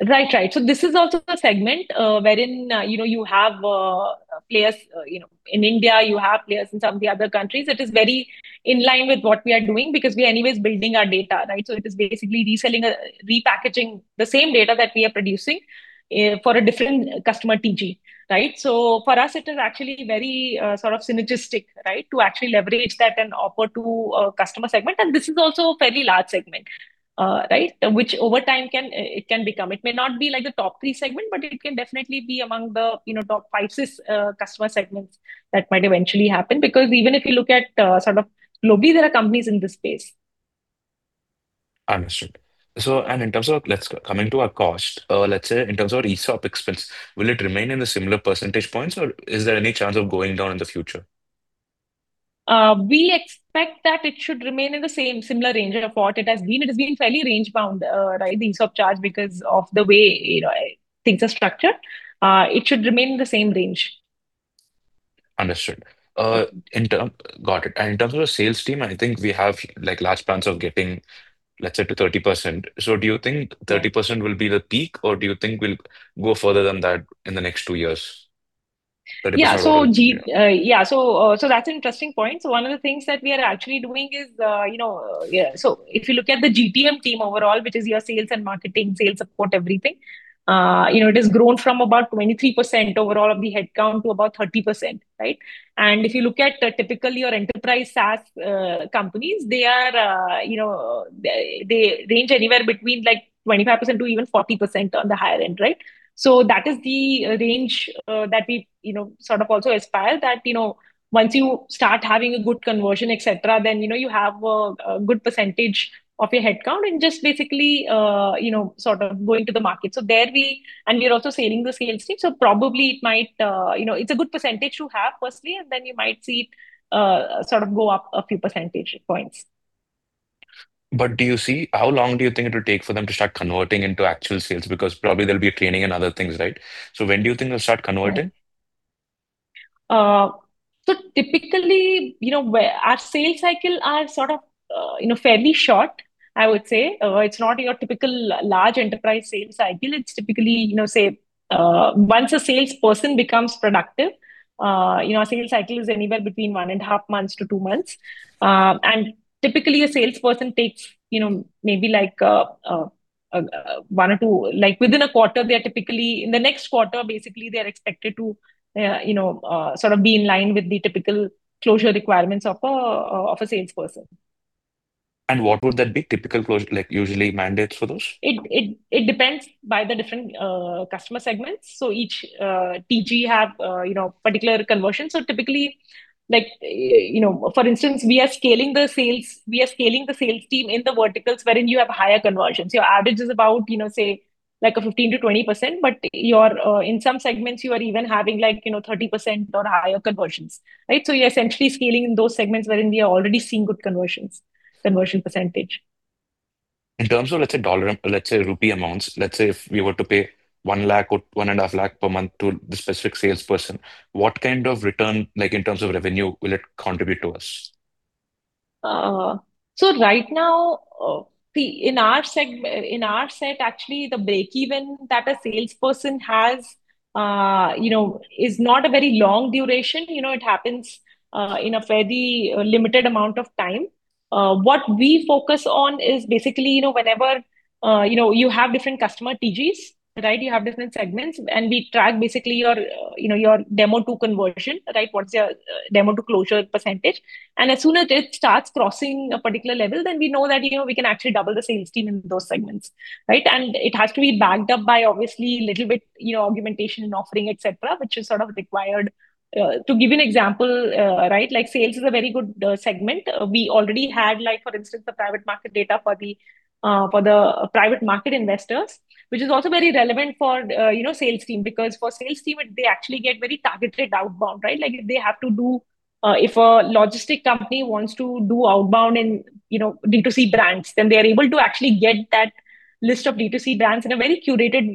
Right. This is also a segment wherein you have players in India, you have players in some of the other countries. It is very in line with what we are doing because we're anyways building our data. It is basically reselling, repackaging the same data that we are producing for a different customer TG. For us, it is actually very synergistic to actually leverage that and offer to a customer segment, and this is also a very large segment, which over time it can become. It may not be the top three segment, but it can definitely be among the top five customer segments that might eventually happen because even if you look at sort of global companies in this space. Understood. In terms of coming to our cost, let's say in terms of ESOP expense, will it remain in the similar percentage points, or is there any chance of going down in the future? We expect that it should remain in the same similar range as what it has been. It has been fairly range-bound in stock charge because of the way things are structured. It should remain in the same range. Understood. Got it. In terms of sales team, I think we have large plans of getting, let's say, to 30%. Do you think 30% will be the peak, or do you think we'll go further than that in the next two years? Yeah. That's an interesting point. One of the things that we are actually doing is, if you look at the GTM team overall, which is your sales and marketing, sales support, everything, it has grown from about 23% overall of the headcount to about 30%. If you look at typically your enterprise SaaS companies, they range anywhere between 25% to even 40% on the higher end. That is the range that we sort of also aspire that, once you start having a good conversion, etc., then you have a good percentage of your headcount and just basically sort of going to the market. We are also scaling the sales team, so probably It's a good percentage to have firstly, and then you might see sort of go up a few percentage points. Do you see, how long do you think it'll take for them to start converting into actual sales? Because probably there'll be training and other things, right? When do you think they'll start converting? Typically, our sales cycle are sort of fairly short, I would say. It's not your typical large enterprise sales cycle. It's typically, say, once a salesperson becomes productive, your sales cycle is anywhere between one and a half months to two months. Typically, a salesperson takes maybe one or two. Within a quarter, they are typically, in the next quarter, basically, they're expected to sort of be in line with the typical closure requirements of a salesperson. What would that be typical closure, like usually mandates for those? It depends by the different customer segments. Each TG have particular conversion. Typically, for instance, we are scaling the sales team in the verticals wherein you have higher conversions. Your average is about, say, 15%-20%, in some segments, you are even having 30% or higher conversions. You're essentially scaling in those segments wherein we have already seen good conversion percentage. In terms of, let's say rupee amounts, let's say if we were to pay 1 lakh or 1.5 lakh per month to the specific salesperson, what kind of return, like in terms of revenue, will it contribute to us? Right now, in our set, actually, the break-even that a salesperson has is not a very long duration. It happens in a fairly limited amount of time. What we focus on is basically, whenever you have different customer TGs. You have different segments, we track basically your demo-to-conversion. What's your demo-to-closure percentage? As soon as it starts crossing a particular level, we know that we can actually double the sales team in those segments. It has to be backed up by obviously a little bit augumentation and offering, etc., which is sort of required. To give you an example, sales is a very good segment. We already had, for instance, the private market data for the private market investors, which is also very relevant for sales team, because for sales team, they actually get very targeted outbound. Like if a logistics company wants to do outbound in B2C brands, they're able to actually get that list of B2C brands in a very curated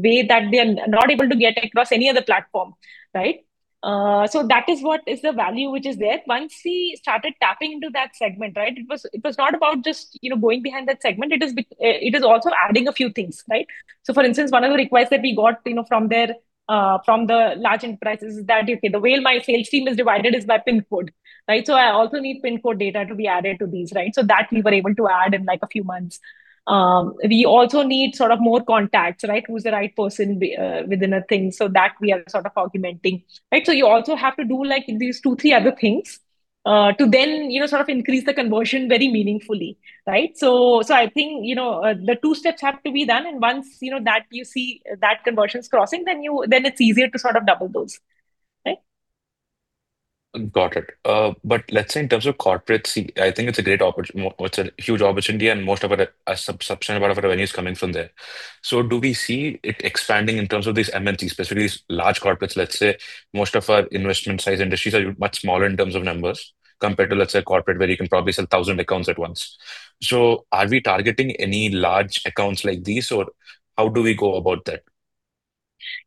way that they're not able to get across any other platform. Right? That is what is the value, which is there. Once we started tapping into that segment, it was not about just going behind that segment. It is also adding a few things, right? For instance, one of the requests that we got from the large enterprises is that the way my sales team is divided is by pin code. I also need pin code data to be added to these, right? That we were able to add in a few months. We also need more contacts, right, who's the right person within a thing. That we are sort of augmenting. You also have to do these two, three other things to then increase the conversion very meaningfully. Right? I think the two steps have to be done. Once you see that conversion is crossing, then it's easier to double those, right? Got it. Let's say in terms of corporate, I think it's a huge opportunity and most of our subscription, a lot of our money's coming from there. Do we see it expanding in terms of these MNCs, especially these large corporates? Let's say most of our investment size industries are much smaller in terms of numbers compared to, let's say, corporate, where you can probably sell 1,000 accounts at once. Are we targeting any large accounts like these, or how do we go about that?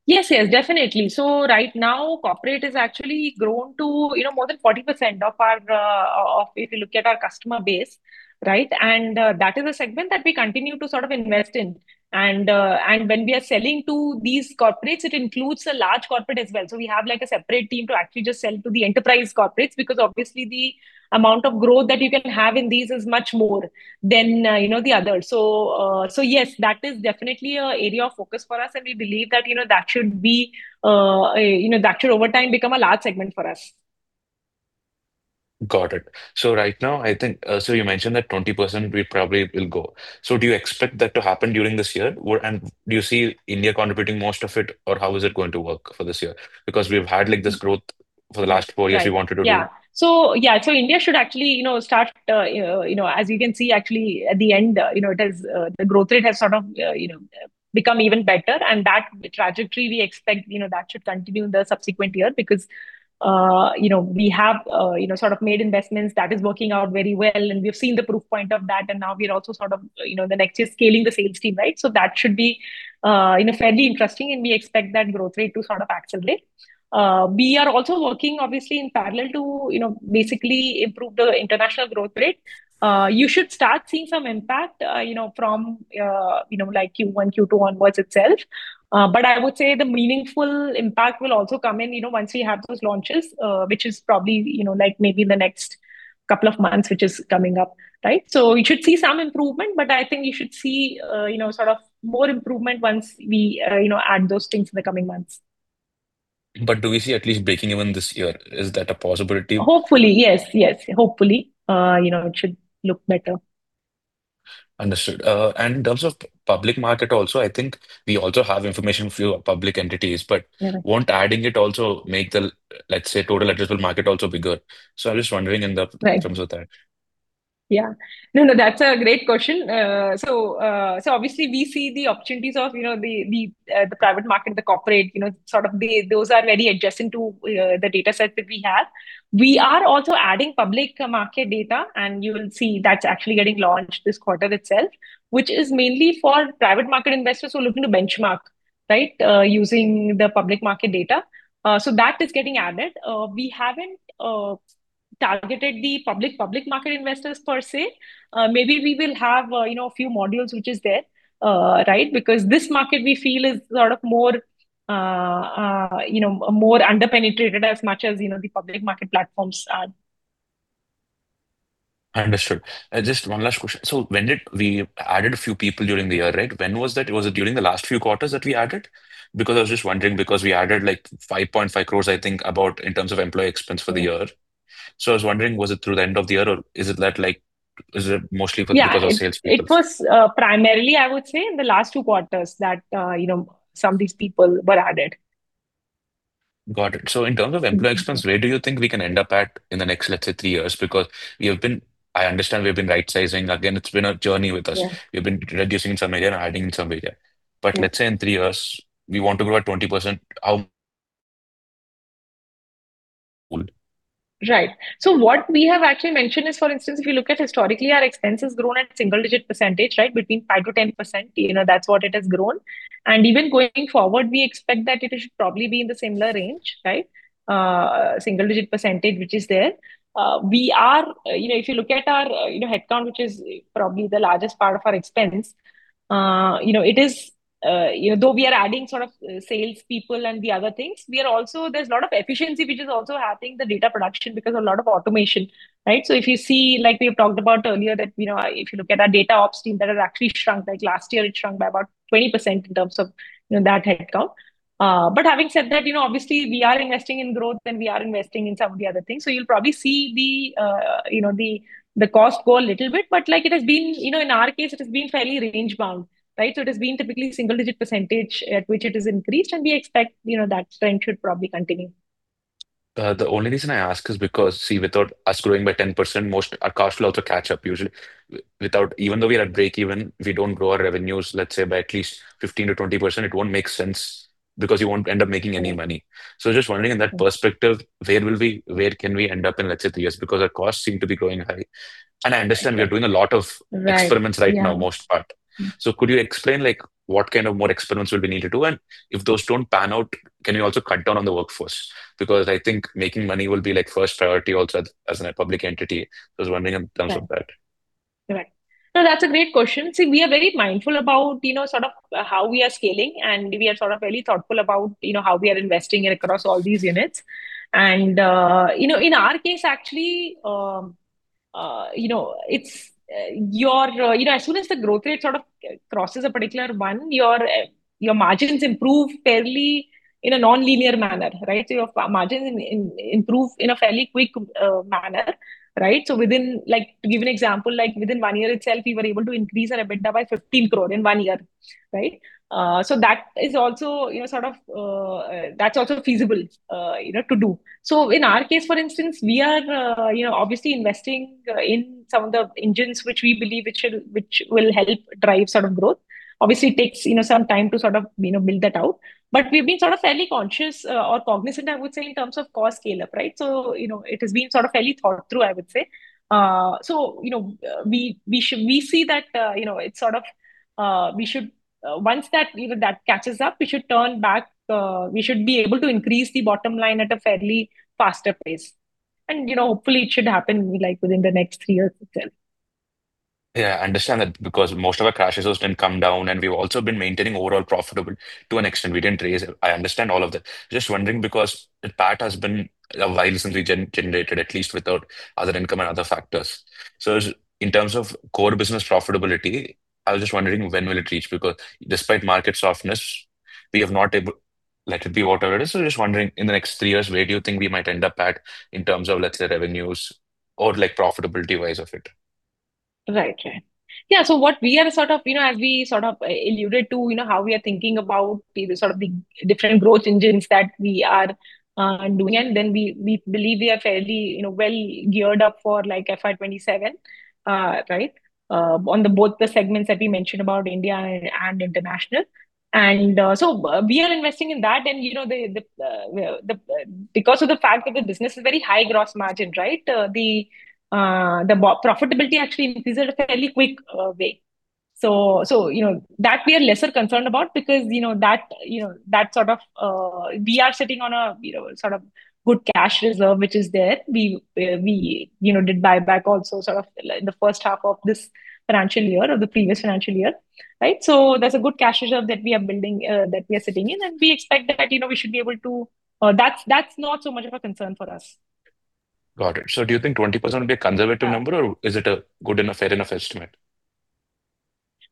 Yes, definitely. Right now, corporate has actually grown to more than 40% if you look at our customer base, right? That is a segment that we continue to invest in. When we are selling to these corporates, it includes the large corporate as well. We have a separate team to actually just sell to the enterprise corporates, because obviously the amount of growth that you can have in these is much more than the other. Yes, that is definitely an area of focus for us, and we believe that should, over time, become a large segment for us. Got it. Right now, I think, so you mentioned that 20% we probably will go. Do you expect that to happen during this year? Do you see India contributing most of it, or how is it going to work for this year? We've had this growth for the last four years you wanted to do. Yeah. India should actually start, as you can see, actually at the end, the growth rate has become even better. That trajectory we expect, that should continue in the subsequent year because we have made investments that is working out very well. We've seen the proof point of that. Now we're also next year scaling the sales team. That should be fairly interesting, and we expect that growth rate to accelerate. We are also working obviously in parallel to basically improve the international growth rate. You should start seeing some impact from Q1, Q2 onwards itself. I would say the meaningful impact will also come in once we have those launches which is probably maybe in the next couple of months, which is coming up, right? You should see some improvement, but I think you should see more improvement once we add those things in the coming months. Do we see at least breaking even this year? Is that a possibility? Hopefully, yes. Hopefully, it should look better. Understood. In terms of public market also, I think we also have information for public entities. Won't adding it also make the, let's say, total addressable market also bigger? I'm just wondering in the terms of that. Yeah. No, that's a great question. Obviously we see the opportunities of the private market and the corporate, those are very adjacent to the dataset that we have. We are also adding public market data, and you will see that's actually getting launched this quarter itself, which is mainly for private market investors who are looking to benchmark using the public market data. That is getting added. We haven't targeted the public market investors per se. Maybe we will have a few modules which is there, right? Because this market, we feel, is a lot more under-penetrated as much as the public market platforms are. Understood. Just one last question. When we added a few people during the year, when was that? Was it during the last few quarters that we added? I was just wondering, we added 5.5 crores, I think, about in terms of employee expense for the year. I was wondering, was it through the end of the year, or is it mostly for the first half? Yeah. It was primarily, I would say, in the last two quarters that some of these people were added. Got it. In terms of employee expense, where do you think we can end up at in the next, let's say, three years? I understand we've been rightsizing. Again, it's been a journey with us. We've been reducing some area, adding some area. Let's say in three years, we want to grow at 20%, how would? Right. What we have actually mentioned is, for instance, if you look at historically, our expense has grown at single-digit percentage, right. Between 5%-10%, that's what it has grown. Even going forward, we expect that it should probably be in the similar range, right. Single-digit percentage, which is there. If you look at our headcount, which is probably the largest part of our expense, though we are adding salespeople and the other things, there's a lot of efficiency which is also happening in the data production because a lot of automation, right. If you see, like we talked about earlier that, if you look at our DataOps team, that has actually shrunk. Last year, it shrunk by about 20% in terms of that headcount. Having said that, obviously we are investing in growth, and we are investing in some of the other things. You'll probably see the cost go a little bit, but in our case, it's been fairly range-bound, right? It has been typically single-digit percentage at which it has increased, and we expect that trend should probably continue. The only reason I ask is because, see, without us growing by 10%, our costs will also catch up usually. Even though we are breakeven, if we don't grow our revenues, let's say by at least 15%-20%, it won't make sense because we won't end up making any money. Just wondering in that perspective, where can we end up in, let's say, three years? Our costs seem to be growing high. I understand we're doing a lot of- Right experiments right now, most part. Could you explain what kind of more experiments would we need to do? If those don't pan out, can you also cut down on the workforce? I think making money will be first priority also as a public entity. I was wondering in terms of that. Right. No, that's a great question. See, we are very mindful about how we are scaling, and we are very thoughtful about how we are investing across all these units. In our case, actually, as soon as the growth rate sort of crosses a particular one, your margins improve fairly in a nonlinear manner. Your margins improve in a fairly quick manner. To give you an example, within one year itself, we were able to increase our EBITDA by 15 crore in one year. That's also feasible to do. In our case, for instance, we are obviously investing in some of the engines which we believe will help drive growth. It takes some time to sort of build that out. We've been sort of fairly conscious or cognizant, I would say, in terms of cost scale-up. It has been sort of fairly thought through, I would say. We see that once that catches up, we should be able to increase the bottom line at a fairly faster pace. Hopefully it should happen within the next three years or so. I understand that because most of our cash reserves didn't come down, and we've also been maintaining overall profitability to an extent. We didn't raise it. I understand all of that. Just wondering, because the PAT has been wisely generated, at least without other income and other factors. In terms of core business profitability, I was just wondering when we'll reach, because despite market softness, we have not able-- Like with the IT industry, I was just wondering in the next three years, where do you think we might end up at in terms of, let's say, revenues or profitability wise of it? Right. Right. What we are sort of, as we alluded to, how we are thinking about the sort of different growth engines that we are doing, then we believe we are fairly well geared up for FY 2027, right? On both the segments that we mentioned about India and international. We are investing in that, and because of the fact that the business is very high gross margin, right? The profitability actually increases in a fairly quick way. That we are lesser concerned about because we are sitting on a sort of good cash reserve, which is there. We did buyback also sort of in the first half of this financial year or the previous financial year, right? There's a good cash reserve that we are sitting in, and That's not so much of a concern for us. Got it. Do you think 20% will be a conservative number, or is it a good enough, fair enough estimate?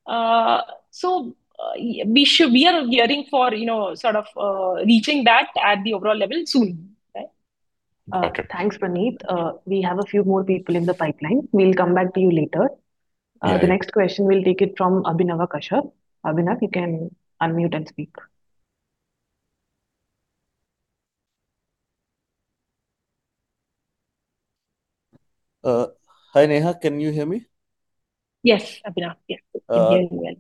We are gearing for reaching that at the overall level soon. Right? Got it. Thanks, Praneeth. We have a few more people in the pipeline. We'll come back to you later. Yeah. The next question we'll take it from Abhinav Aakash. Abhinav, you can unmute and speak. Hi, Neha. Can you hear me? Yes, Abhinav. We can hear you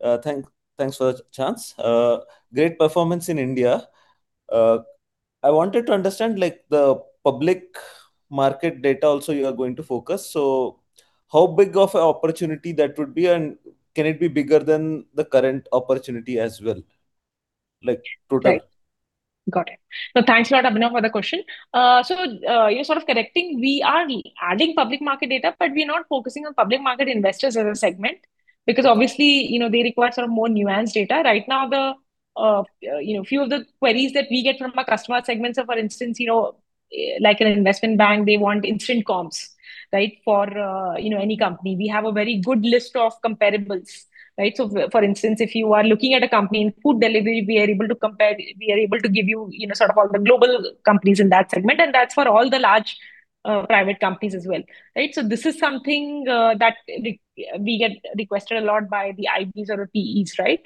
well. Thanks for the chance. Great performance in India. I wanted to understand the public market data also you are going to focus. How big of an opportunity that would be, and can it be bigger than the current opportunity as well, like total? Right. Got it. Thanks a lot, Abhinav, for the question. Just sort of connecting, we are adding public market data, but we are not focusing on public market investors as a segment because obviously, they require some more nuanced data. Right now, a few of the queries that we get from our customer segments are, for instance, like an investment bank, they want instant comps, right? For any company. We have a very good list of comparables, right? For instance, if you are looking at a company in food delivery, we are able to give you sort of all the global companies in that segment, and that's for all the large private companies as well. Right? This is something that we get requested a lot by the IBs or the PEs, right?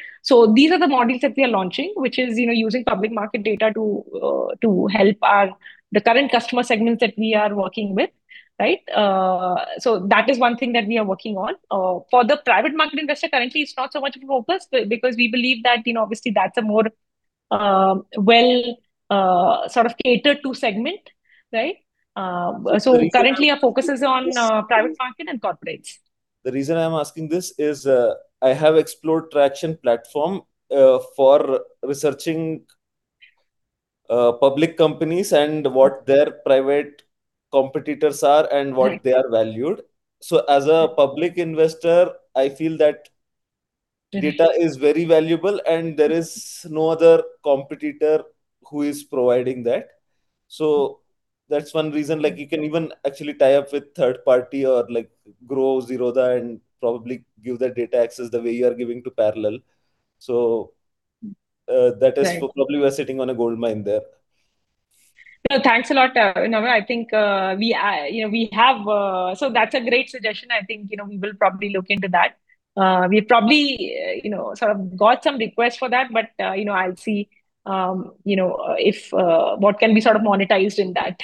These are the models that we are launching, which is using public market data to help the current customer segments that we are working with. Right? That is one thing that we are working on. For the private market investor, currently, it's not so much in focus because we believe that obviously that's a more well sort of catered-to segment, right? Currently, our focus is on private market and corporate. The reason I'm asking this is I have explored Tracxn platform for researching public companies and what their private competitors are and what they are valued. As a public investor, I feel that data is very valuable, and there is no other competitor who is providing that. That's one reason. You can even actually tie up with third party or Groww, Zerodha and probably give the data access the way you are giving to Parallel. Right Probably we're sitting on a goldmine there. No, thanks a lot, Abhinav. That's a great suggestion. I think we will probably look into that. We probably got some requests for that, but I'll see what can be monetized in that.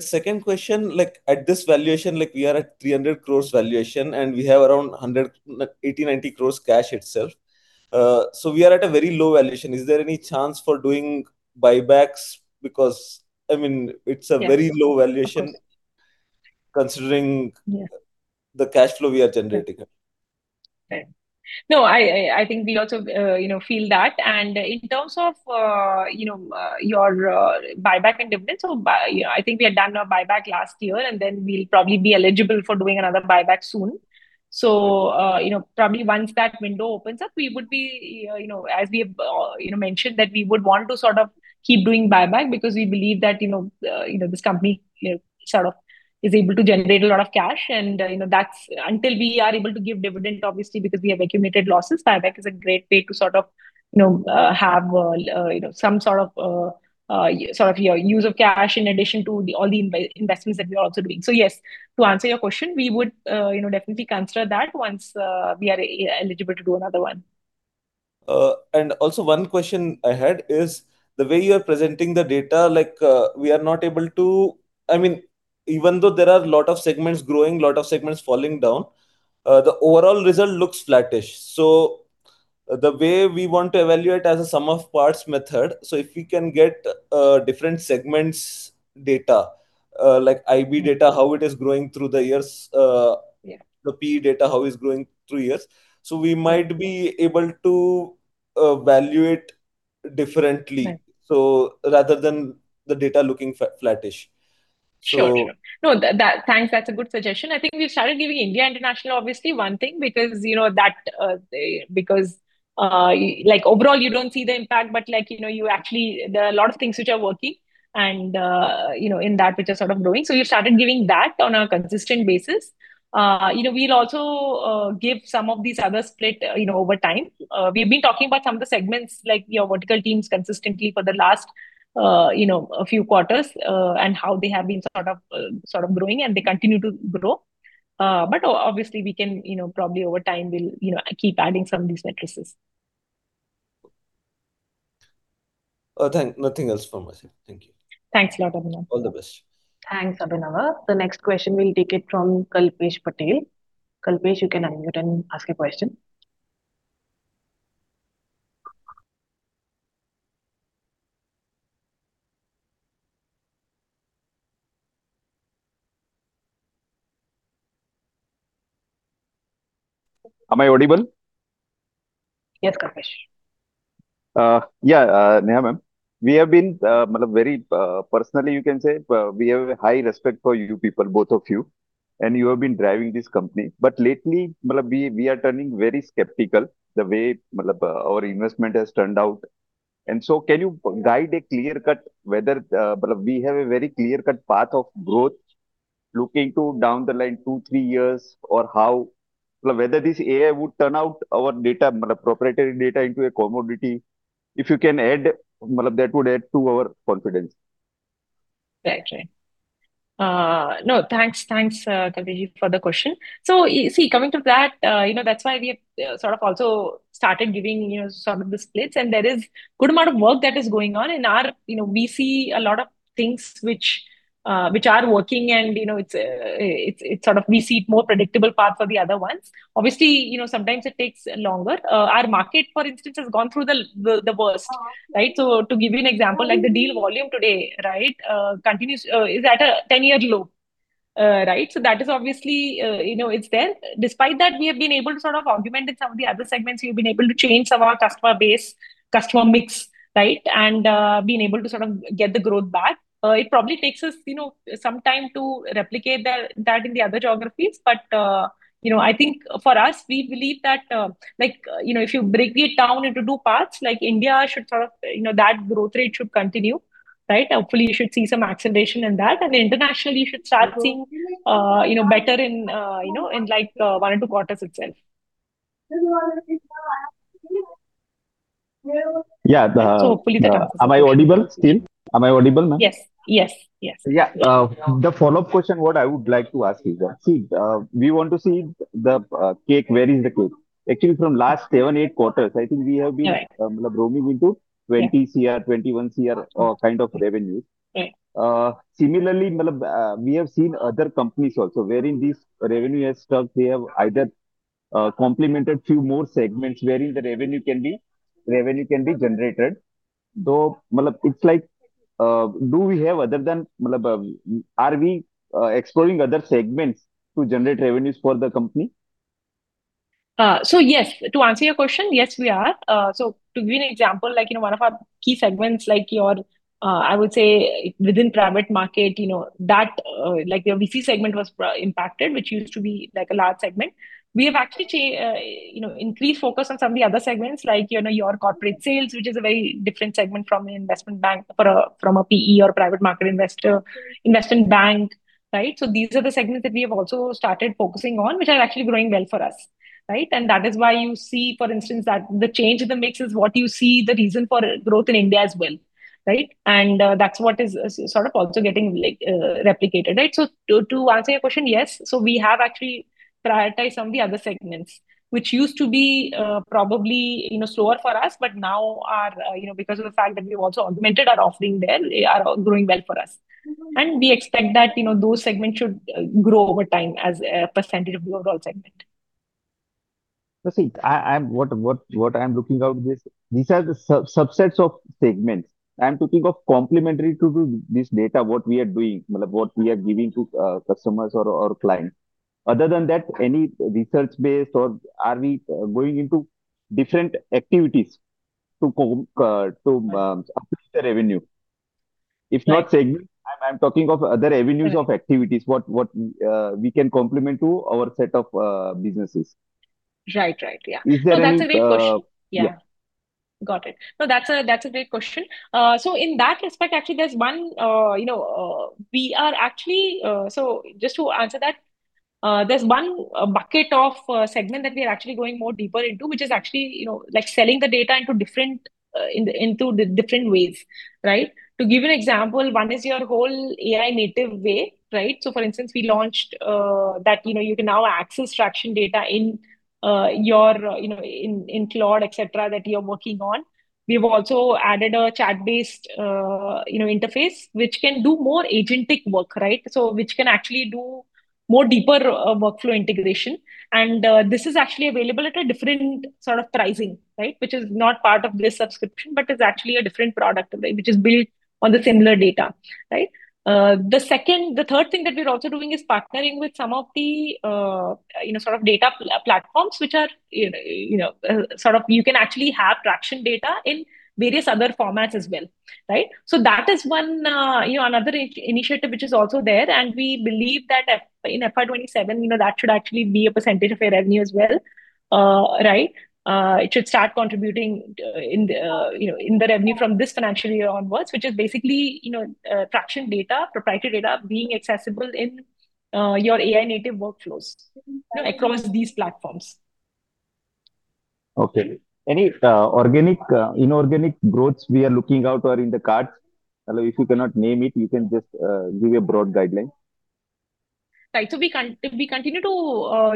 Second question, at this valuation, we are at 300 crore valuation, and we have around 180 crore, 190 crore cash itself. We are at a very low valuation. Is there any chance for doing buybacks? Because it's a very low valuation considering the cash flow we are generating. Right. No, I think we also feel that, and in terms of your buyback and dividends, I think we had done our buyback last year, and then we'll probably be eligible for doing another buyback soon. Probably once that window opens up, we would be, as we've mentioned, that we would want to keep doing buyback because we believe that this company is able to generate a lot of cash and until we are able to give dividend, obviously, because we have accumulated losses, buyback is a great way to have some sort of use of cash in addition to all the investments that we are also doing. Yes, to answer your question, we would definitely consider that once we are eligible to do another one. Also one question I had is the way you're presenting the data, even though there are a lot of segments growing, a lot of segments falling down, the overall result looks flattish. The way we want to evaluate as a sum of parts method, so if we can get different segments data, like IB data, how it is growing through the years. Yeah The PE data, how it's growing through years. We might be able to evaluate differently, so rather than the data looking flattish. Sure. No, thanks. That's a good suggestion. I think we started giving India internationally, obviously, one thing, because overall, you don't see the impact, but actually, there are a lot of things which are working, and in that, which is sort of growing. We started giving that on a consistent basis. We'll also give some of these other split over time. We've been talking about some of the segments, like your vertical teams consistently for the last few quarters, and how they have been growing, and they continue to grow. Obviously, probably over time, we'll keep adding some of these metrics. Nothing else from my side. Thank you. Thanks a lot, Abhinav. All the best. Thanks, Abhinav. The next question we'll take it from Kalpesh Patel. Kalpesh, you can unmute and ask your question. Am I audible? Yes, Kalpesh. We have been very personally, you can say, we have a high respect for you people, both of you, and you have been driving this company. Lately, we are turning very skeptical the way our investment has turned out. Can you guide a clear-cut, whether we have a very clear-cut path of growth looking to down the line two, three years, or how, whether this AI would turn out our proprietary data into a commodity? If you can add, that would add to our confidence. Got you. No, thanks, Kalpesh, for the question. See, coming to that's why we have also started giving you some of the splits, and there is good amount of work that is going on, and we see a lot of things which are working, and we see it more predictable path for the other ones. Obviously, sometimes it takes longer. Our market, for instance, has gone through the worst, right? To give you an example, like the deal volume today, continues, is at a 10-year low, right? That is obviously, it's there. Despite that, we have been able to augment some of the other segments, we've been able to change some of our customer base, customer mix, right, and been able to get the growth back. It probably takes us some time to replicate that in the other geographies. I think for us, we believe that if you break it down into two parts, like India, that growth rate should continue, right? Hopefully, you should see some acceleration in that, and internationally, you should start seeing better in one or two quarters itself. Yeah. Am I audible still? Am I audible now? Yes. Yeah. The follow-up question what I would like to ask you. See, we want to see the cake, where is it baked. Actually, from last seven, eight quarters, I think we have been- Right growing into 20 CR, 21 CR kind of revenue. Right. Similarly, we have seen other companies also where in this revenue has stuck. They have either complemented few more segments where in the revenue can be generated. Are we exploring other segments to generate revenues for the company? Yes, to answer your question, yes, we are. To give you an example, in one of our key segments, I would say within private market, that VC segment was impacted, which used to be a large segment. We have actually increased focus on some of the other segments, like your corporate sales, which is a very different segment from an investment bank, from a PE or private market investor, investment bank, right? These are the segments that we have also started focusing on, which are actually doing well for us. Right. That is why you see, for instance, that the change in the mix is what you see the reason for growth in India as well, right? That's what is sort of also getting replicated, right? To answer your question, yes. We have actually prioritized some of the other segments, which used to be probably in the store for us, but now are, because of the fact that we also augmented our offering there, they are doing well for us. We expect that those segments should grow over time as a percentage of overall segment. See, what I'm looking out, these are the subsets of segments. I'm thinking of complementary to this data, what we are doing, what we are giving to customers or clients. Other than that, any research-based or are we going into different activities to boost the revenue? If not segments, I'm talking of other avenues of activities, what we can complement to our set of businesses. Right. Yeah. That's a great question. Yeah. Got it. That's a great question. In that respect, actually, just to answer that, there is one bucket of segment that we are actually going more deeper into, which is actually selling the data into different ways, right? To give you an example, one is your whole AI-native way, right? For instance, we launched that you can now access Tracxn data in Claude, et cetera, that you are working on. We have also added a chat-based interface, which can do more agentic work, right? Which can actually do more deeper workflow integration. This is actually available at a different sort of pricing, right? Which is not part of this subscription, but is actually a different product, right, which is built on the similar data, right? The third thing that we're also doing is partnering with some of the data platforms which you can actually have Tracxn data in various other formats as well, right. That is another initiative which is also there, and we believe that in FY 2027, that should actually be a percentage of revenue as well. Right. It should start contributing in the revenue from this financial year onwards, which is basically Tracxn data, proprietary data, being accessible in your AI-native workflows across these platforms. Okay. Any inorganic growths we are looking out or in the cards? If you cannot name it, you can just give a broad guideline. Right. We continue to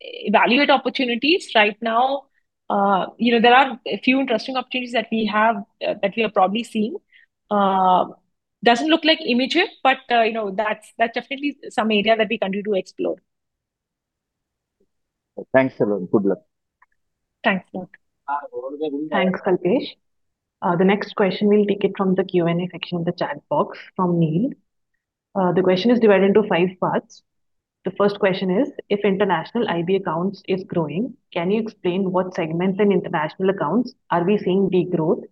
evaluate opportunities right now. There are a few interesting opportunities that we are probably seeing. It doesn't look like imminent, but that's definitely some area that we continue to explore. Thanks, Neha. Good luck. Thanks, Sir. No problem. Thanks, Kalpesh. The next question, we'll take it from the Q&A section of the chat box from Neil. The question is divided into five parts. The first question is, if international IB accounts is growing, can you explain what segments in international accounts are we seeing de-growth,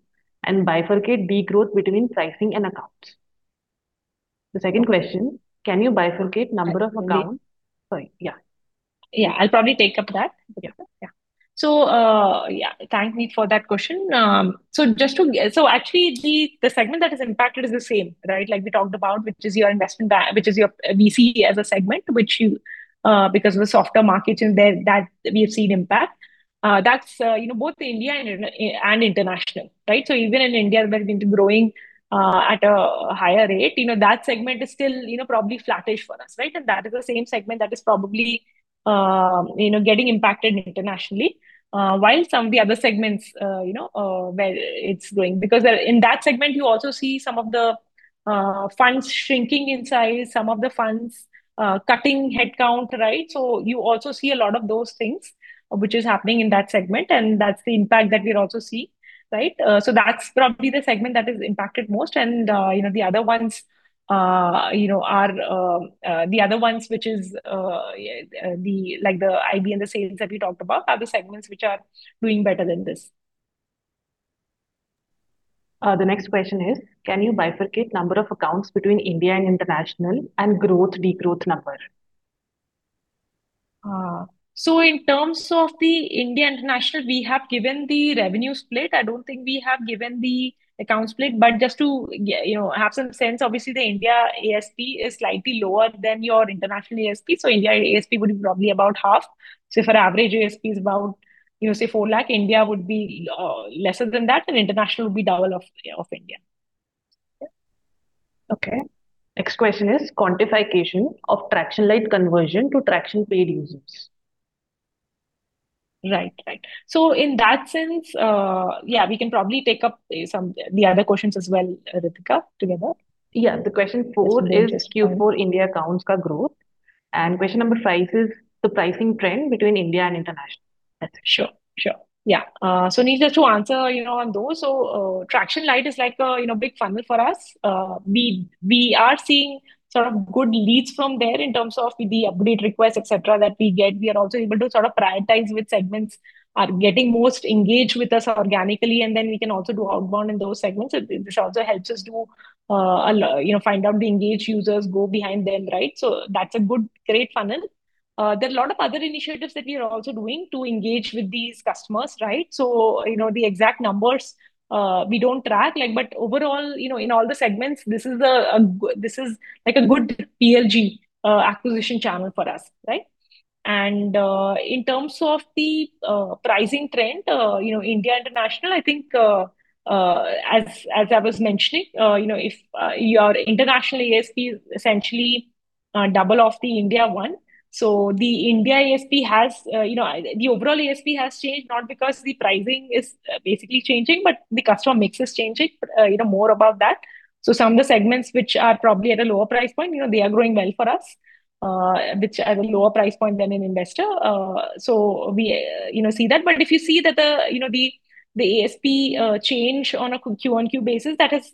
and bifurcate de-growth between pricing and accounts? The second question, can you bifurcate number of accounts. Sorry, yeah. I'll probably take up that. Thank you for that question. Actually, the segment that is impacted is the same, right? Like we talked about, which is your investment bank, which is your VC as a segment, which because of the softer markets in there, that we've seen impact. That's both India and international, right? Even India went into growing at a higher rate. That segment is still probably flattish for us, right? That is the same segment that is probably getting impacted internationally, while some of the other segments where it's growing. In that segment, you also see some of the funds shrinking in size, some of the funds cutting headcount, right? You also see a lot of those things which is happening in that segment, and that's the impact that we also see, right? That's probably the segment that is impacted most, and the other ones which is like the IB and the sales that we talked about are the segments which are doing better than this. The next question is, can you bifurcate number of accounts between India and international, and growth, de-growth number? In terms of the India/international, we have given the revenue split. I don't think we have given the account split. Just to have some sense, obviously, the India ASP is slightly lower than your international ASP. India ASP would be probably about half. Say, if our average ASP is about 4 lakh, India would be lesser than that, and international would be double of India. Okay. Next question is quantification of Tracxn Lite conversion to Tracxn paid users. Right. In that sense, yeah, we can probably take up the other questions as well, Ritika, together. The question four is Q4 India accounts growth. Question number five is the pricing trend between India and international. Sure. Yeah. Neil, just to answer on those. Tracxn Lite is like a big funnel for us. We are seeing sort of good leads from there in terms of the upgrade requests, et cetera, that we get. We are also able to prioritize which segments are getting most engaged with us organically, and then we can also do outbound in those segments, which also helps us to find out the engaged users, go behind them, right? That's a good, great funnel. There are a lot of other initiatives that we are also doing to engage with these customers. The exact numbers, we don't track yet. Overall, in all the segments, this is a good PLG acquisition channel for us. In terms of the pricing trend, India international, I think, as I was mentioning, your international ASP is essentially double of the India one. The India ASP has, the overall ASP has changed not because the pricing is basically changing, but the customer mix is changing. More about that. Some of the segments which are probably at a lower price point, they are doing well for us, which are at a lower price point than an investor. We see that. If you see that the ASP change on a QoQ basis, that is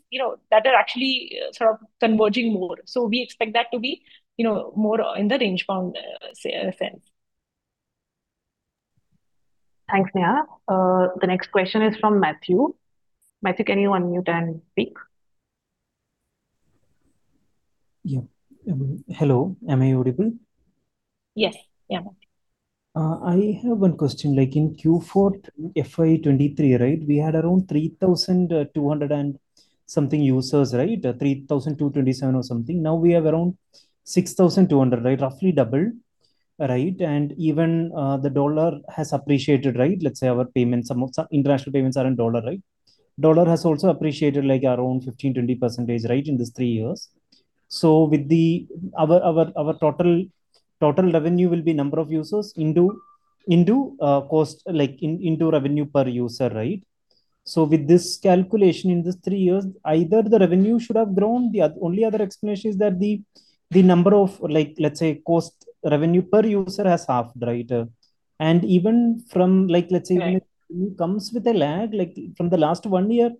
actually sort of converging more. We expect that to be more in the range bound sense. Thanks, Neha. The next question is from Matthew. Matthew, can you unmute and speak? Yeah. Hello, am I audible? Yes. Yeah. I have one question. Like in Q4 FY 2023, we had around 3,200 and something users. 3,227 or something. Now we have around 6,200, roughly double. Even the dollar has appreciated. Let's say our international payments are in dollar. Dollar has also appreciated around 15%-20% in these three years. Our total revenue will be number of users into revenue per user. With this calculation in these three years, either the revenue should have grown. The only other explanation is that the number of, let's say, revenue per user has halved. Right It comes with a lag. From the last one year,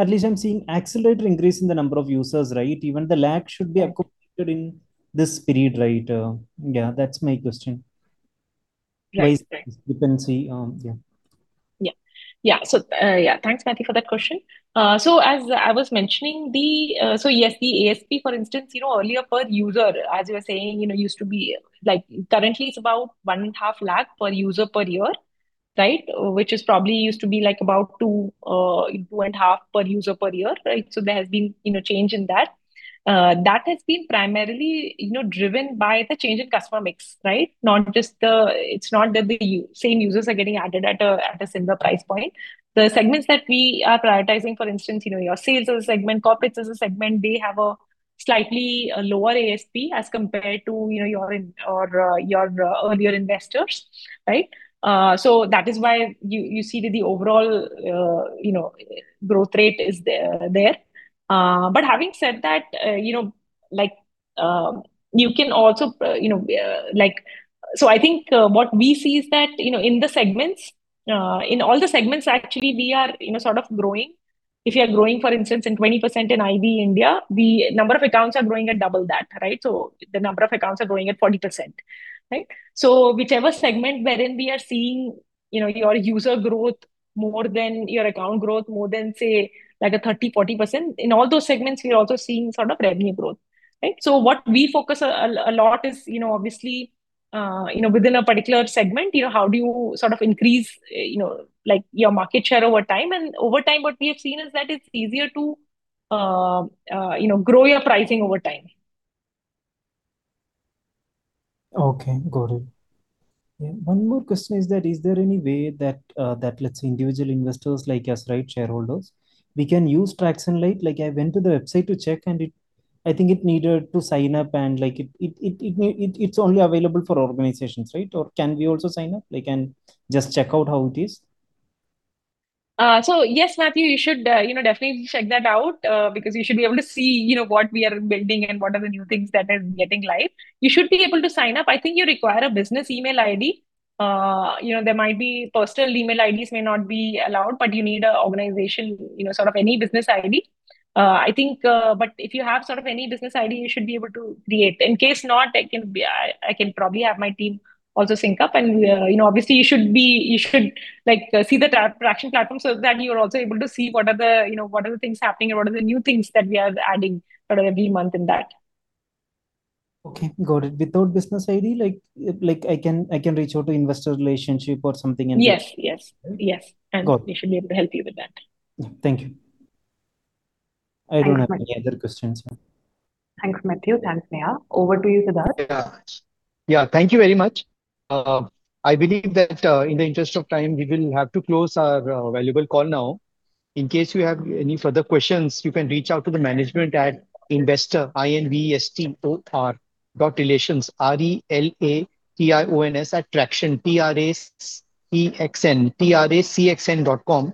at least I'm seeing accelerated increase in the number of users. Even the lag should be completed in this period. Yeah, that's my question. Right. Price dependency. Yeah. Yeah. Thanks, Matthew, for that question. As I was mentioning, yes, the ASP, for instance, earlier per user, as you're saying, currently it's about 1.5 lakh per user per year. Which probably used to be about 2.5 lakh per user per year. There has been a change in that. That has been primarily driven by the change in customer mix. It's not that the same users are getting added at a similar price point. The segments that we are prioritizing, for instance, your sales as a segment, corporates as a segment, they have a slightly lower ASP as compared to your earlier investors. That is why you see that the overall growth rate is there. Having said that, I think what we see is that, in all the segments, actually, we are sort of growing. If you are growing, for instance, in 20% in IB India, the number of accounts are growing at double that. The number of accounts are growing at 40%. Whichever segment wherein we are seeing your user growth more than your account growth, more than, say, 30%, 40%, in all those segments, we're also seeing sort of revenue growth. What we focus a lot is, obviously, within a particular segment, how do you sort of increase your market share over time? Over time, what we have seen is that it's easier to grow your pricing over time. Okay, got it. One more question is that, is there any way that, let's say individual investors like us, shareholders, we can use Tracxn Lite? I went to the website to check, and I think it needed to sign up, and it's only available for organizations. Can we also sign up? I can just check out how it is. Yes, Matthew, you should definitely check that out, because you should be able to see what we are building and what are the new things that are getting live. You should be able to sign up. I think you require a business email ID. Personal email IDs may not be allowed, but you need an organization, any business ID. If you have sort of any business ID, you should be able to create. In case not, I can probably have my team also sync up. Obviously, you should see the Tracxn platform, so that you're also able to see what are the things happening, what are the new things that we are adding sort of every month in that. Okay, got it. Without business ID, I can reach out to investor relationship or something. Yes. Got it. We should be able to help you with that. Thank you. I don't have any other questions now. Thanks, Matthew. Thanks, Neha. Over to you, Sidharth. Yeah. Thank you very much. I believe that in the interest of time, we will have to close our valuable call now. In case you have any further questions, you can reach out to the management at investor.relations@tracxn.com.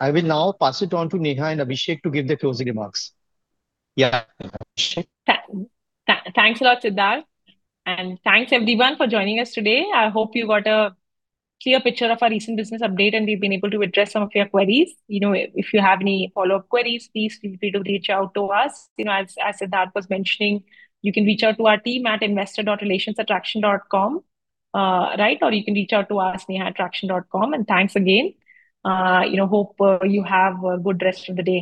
I will now pass it on to Neha and Abhishek to give the closing remarks. Yeah. Thanks a lot, Sidharth. Thanks everyone for joining us today. I hope you got a clear picture of our recent business update, and we've been able to address some of your queries. If you have any follow-up queries, please feel free to reach out to us. As Sidharth was mentioning, you can reach out to our team at investor.relations@tracxn.com. You can reach out to us, neha@tracxn.com. Thanks again. Hope you have a good rest of the day.